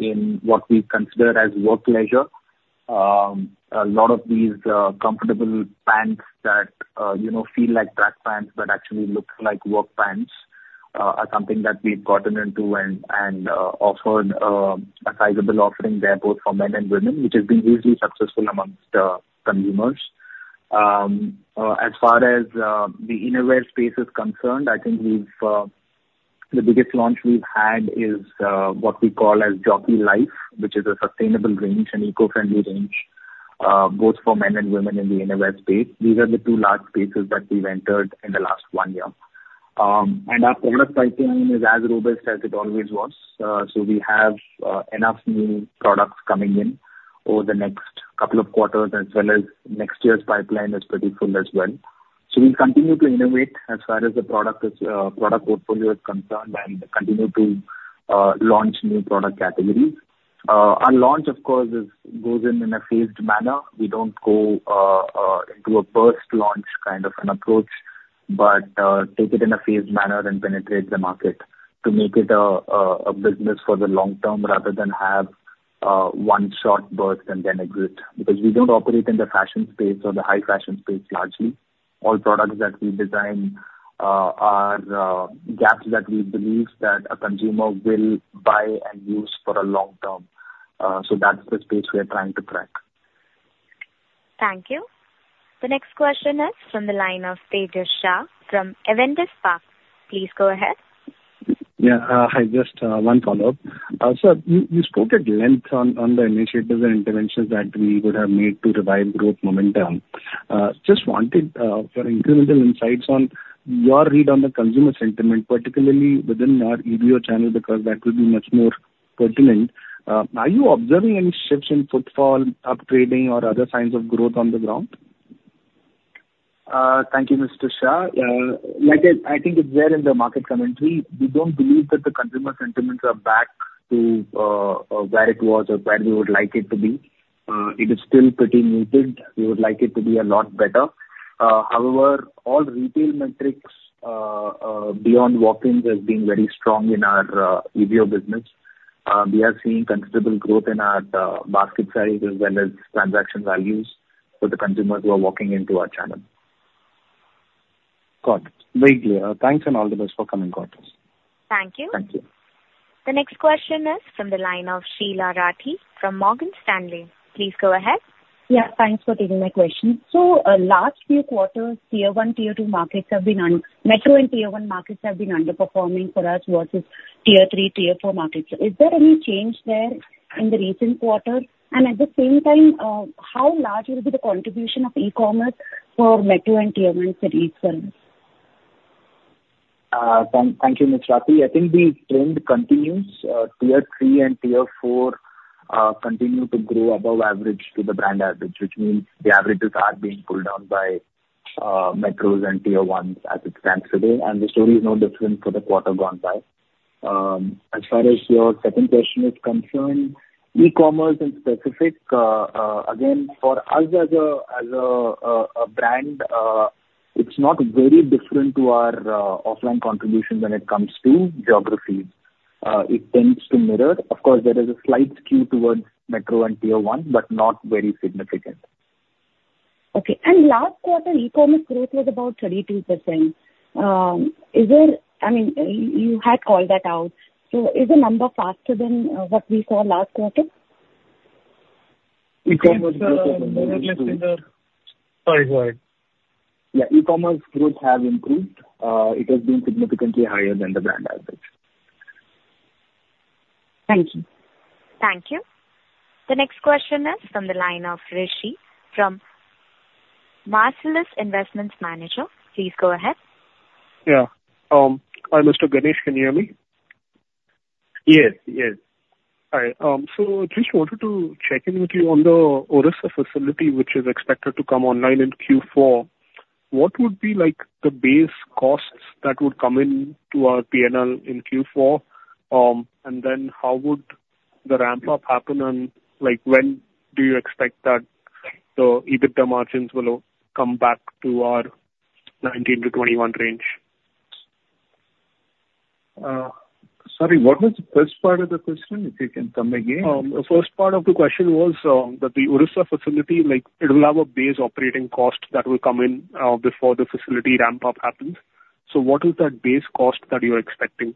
in what we consider as work leisure. A lot of these comfortable pants that feel like track pants but actually look like work pants are something that we've gotten into and offered a sizable offering there, both for men and women, which has been hugely successful among consumers. As far as the innerwear space is concerned, I think the biggest launch we've had is what we call as Jockey Life, which is a sustainable range and eco-friendly range, both for men and women in the innerwear space. These are the two large spaces that we've entered in the last one year. Our product pipeline is as robust as it always was. We have enough new products coming in over the next couple of quarters, as well as next year's pipeline is pretty full as well. We'll continue to innovate as far as the product portfolio is concerned and continue to launch new product categories. Our launch, of course, goes in a phased manner. We don't go into a burst launch kind of an approach, but take it in a phased manner and penetrate the market to make it a business for the long term rather than have one shot burst and then exit. Because we don't operate in the fashion space or the high fashion space largely. All products that we design are gaps that we believe that a consumer will buy and use for a long term. That's the space we are trying to correct. Thank you. The next question is from the line of Tejas Shah from Avendus Spark. Please go ahead. Yeah. Hi, just one follow-up. Sir, you spoke at length on the initiatives and interventions that we would have made to revive growth momentum. Just wanted incremental insights on your read on the consumer sentiment, particularly within our EBO channel, because that would be much more pertinent. Are you observing any shifts in footfall, upgrading, or other signs of growth on the ground? Thank you, Mr. Shah. Like I said, I think it's there in the market commentary. We don't believe that the consumer sentiments are back to where it was or where we would like it to be. It is still pretty muted. We would like it to be a lot better. However, all retail metrics beyond walk-ins have been very strong in our EBO business. We are seeing considerable growth in our basket size as well as transaction values for the consumers who are walking into our channel. Got it. Very clear. Thanks and all the best for coming, God. Thank you. Thank you. The next question is from the line of Sheela Rathi from Morgan Stanley. Please go ahead. Yeah. Thanks for taking my question. So last few quarters, tier one, tier two markets have been metro and tier one markets have been underperforming for us versus tier three, tier four markets. Is there any change there in the recent quarter? And at the same time, how large will be the contribution of e-commerce for metro and tier one cities for us? Thank you, Ms. Rathi. I think the trend continues. Tier three and tier four continue to grow above average to the brand average, which means the averages are being pulled down by metros and tier ones as it stands today. The story is no different for the quarter gone by. As far as your second question is concerned, e-commerce in specific, again, for us as a brand, it's not very different to our offline contributions when it comes to geographies. It tends to mirror. Of course, there is a slight skew towards metro and tier one, but not very significant. Okay. And last quarter, e-commerce growth was about 32%. I mean, you had called that out. So is the number faster than what we saw last quarter? *crosstalk* Sorry, go ahead. Yeah. E-commerce growth has improved. It has been significantly higher than the brand average. Thank you. Thank you. The next question is from the line of Rishi from Marcellus Investment Managers. Please go ahead. Yeah. Hi, Mr. Ganesh. Can you hear me? Yes, yes. All right. So just wanted to check in with you on the Odisha facility, which is expected to come online in Q4. What would be the base costs that would come into our P&L in Q4? And then how would the ramp-up happen? And when do you expect that the EBITDA margins will come back to our 19%-21% range? Sorry, what was the first part of the question? If you can tell me again. The first part of the question was that the Odisha facility, it will have a base operating cost that will come in before the facility ramp-up happens. So what is that base cost that you're expecting?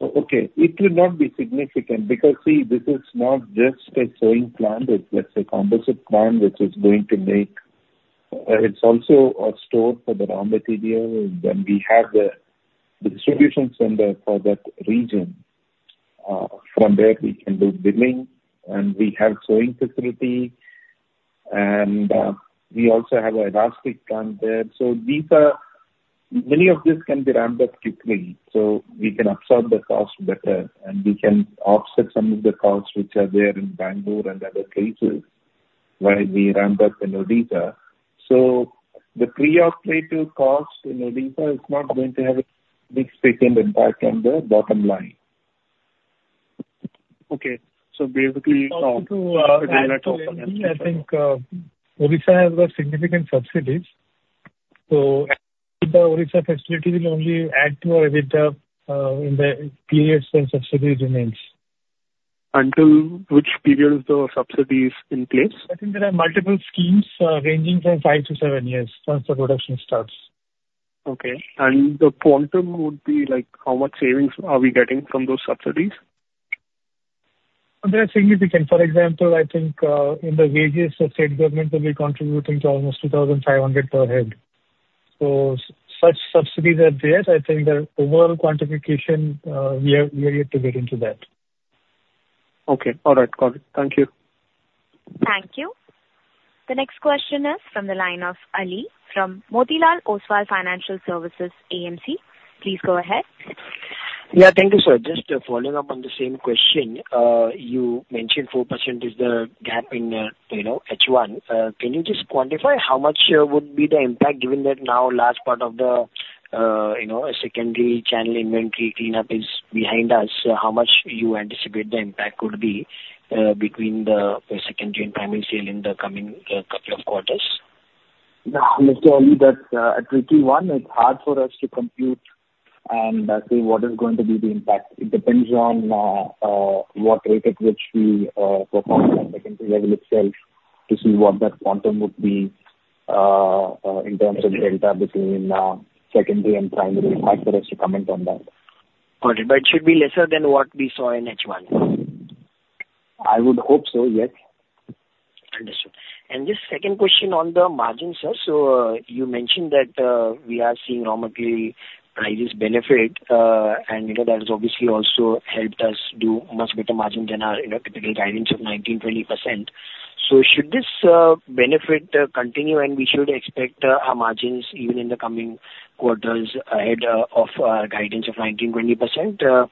Okay. It will not be significant because, see, this is not just a sewing plant, let's say, composite plant which is going to make. It's also a store for the raw material, then we have the distribution center for that region. From there, we can do billing, and we have a sewing facility, and we also have an elastic plant there. So many of these can be ramped up quickly, so we can absorb the cost better, and we can offset some of the costs which are there in Bangalore and other places where we ramp up in Odisha. So the pre-operative cost in Odisha is not going to have a big significant impact on the bottom line. Okay. So basically. Up to the letter of understanding, I think Odisha has got significant subsidies. So the Odisha facility will only add to our EBITDA in the period when subsidy remains. Until which period is the subsidy in place? I think there are multiple schemes ranging from five to seven years once the production starts. Okay. And the quantum would be how much savings are we getting from those subsidies? They are significant. For example, I think in the wages, the state government will be contributing almost 2,500 per head. So such subsidies are there. I think the overall quantification, we are yet to get into that. Okay. All right. Got it. Thank you. Thank you. The next question is from the line of Ali from Motilal Oswal Financial Services. Please go ahead. Yeah. Thank you, sir. Just following up on the same question, you mentioned 4% is the gap in H1. Can you just quantify how much would be the impact given that now last part of the secondary channel inventory cleanup is behind us? How much you anticipate the impact could be between the secondary and primary sale in the coming couple of quarters? Mr. Ali, that's a tricky one. It's hard for us to compute and say what is going to be the impact. It depends on what rate at which we perform on the secondary level itself to see what that quantum would be in terms of delta between secondary and primary. It's hard for us to comment on that. Got it. But it should be lesser than what we saw in H1. I would hope so, yes. Understood. And just second question on the margins, sir. So you mentioned that we are seeing raw material prices benefit. And that has obviously also helped us do much better margin than our typical guidance of 19%-20%. So should this benefit continue? And we should expect our margins even in the coming quarters ahead of our guidance of 19%-20%.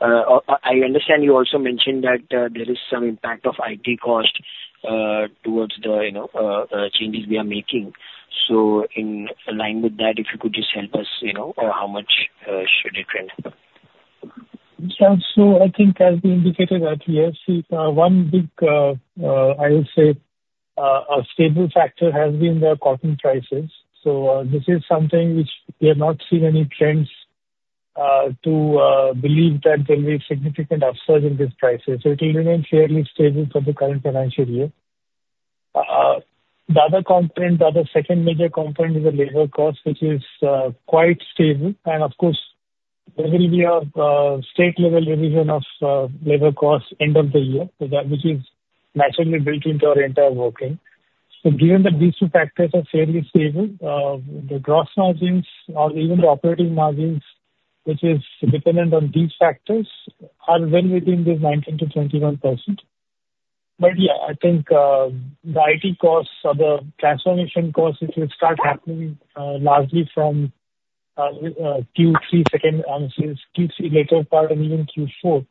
I understand you also mentioned that there is some impact of IT cost towards the changes we are making. So in line with that, if you could just help us, how much should it trend? I think as we indicated that we have seen one big, I would say, stable factor has been the cotton prices. So this is something which we have not seen any trends to believe that there will be significant upsurge in these prices. So it will remain fairly stable for the current financial year. The other component, the other second major component is the labor cost, which is quite stable. And of course, there will be a state-level revision of labor costs end of the year, which is naturally built into our entire working. So given that these two factors are fairly stable, the gross margins or even the operating margins, which is dependent on these factors, are well within this 19%-21%. But yeah, I think the IT costs or the transformation costs, which will start happening largely from Q3, Q4, and even Q4,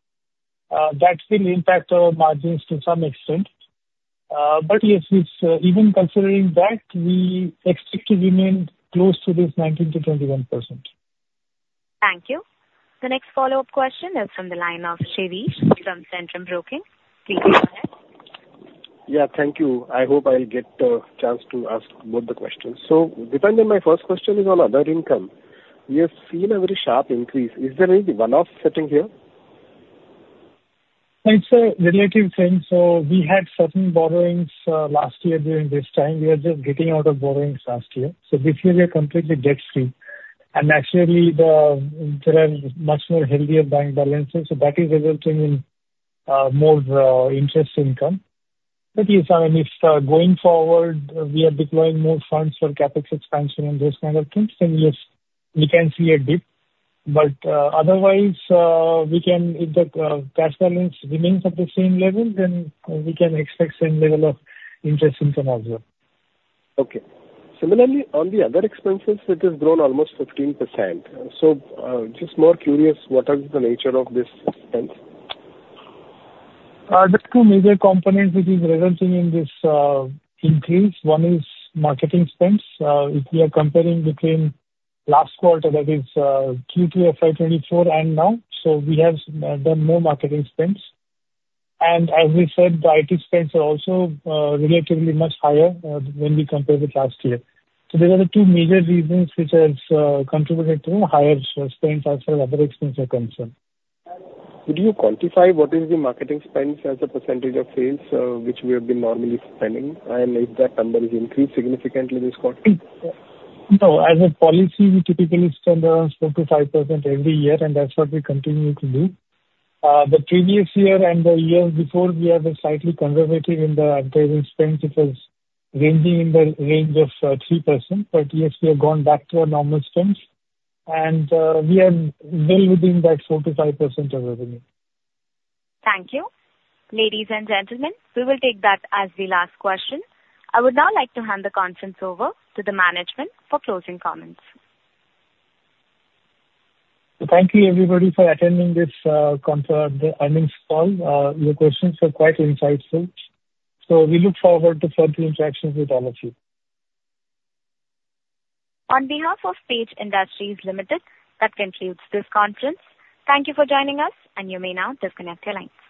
that will impact our margins to some extent. But yes, even considering that, we expect to remain close to this 19%-21%. Thank you. The next follow-up question is from the line of Shirish from Centrum Broking. Please go ahead. Yeah. Thank you. I hope I'll get a chance to ask both the questions. So my first question is on other income, we have seen a very sharp increase. Is there any one-off item here? It's a relative thing. So we had certain borrowings last year during this time. We were just getting out of borrowings last year. So this year we are completely debt-free. And actually, there are much more healthier bank balances. So that is resulting in more interest income. But yes, I mean, if going forward, we are deploying more funds for CapEx expansion and those kind of things, then yes, we can see a dip. But otherwise, if the cash balance remains at the same level, then we can expect same level of interest income as well. Okay. Similarly, on the other expenses, it has grown almost 15%. So just more curious, what is the nature of this spend? The two major components which is resulting in this increase, one is marketing spends. If we are comparing between last quarter, that is, Q2 FY 2024, and now, so we have done more marketing spends, and as we said, the IT spends are also relatively much higher when we compare with last year, so these are the two major reasons which have contributed to higher spends as far as other expenses are concerned. Could you quantify what is the marketing spend as a percentage of sales which we have been normally spending, and if that number has increased significantly this quarter? No. As a policy, we typically spend around 4%-5% every year, and that's what we continue to do. The previous year and the year before, we have been slightly conservative in the advertising spends. It was ranging in the range of 3%. But yes, we have gone back to our normal spends. And we are well within that 4%-5% of revenue. Thank you. Ladies and gentlemen, we will take that as the last question. I would now like to hand the conference over to the management for closing comments. Thank you, everybody, for attending this conference earnings call. Your questions were quite insightful. So we look forward to further interactions with all of you. On behalf of Page Industries Ltd, that concludes this conference. Thank you for joining us, and you may now disconnect your lines.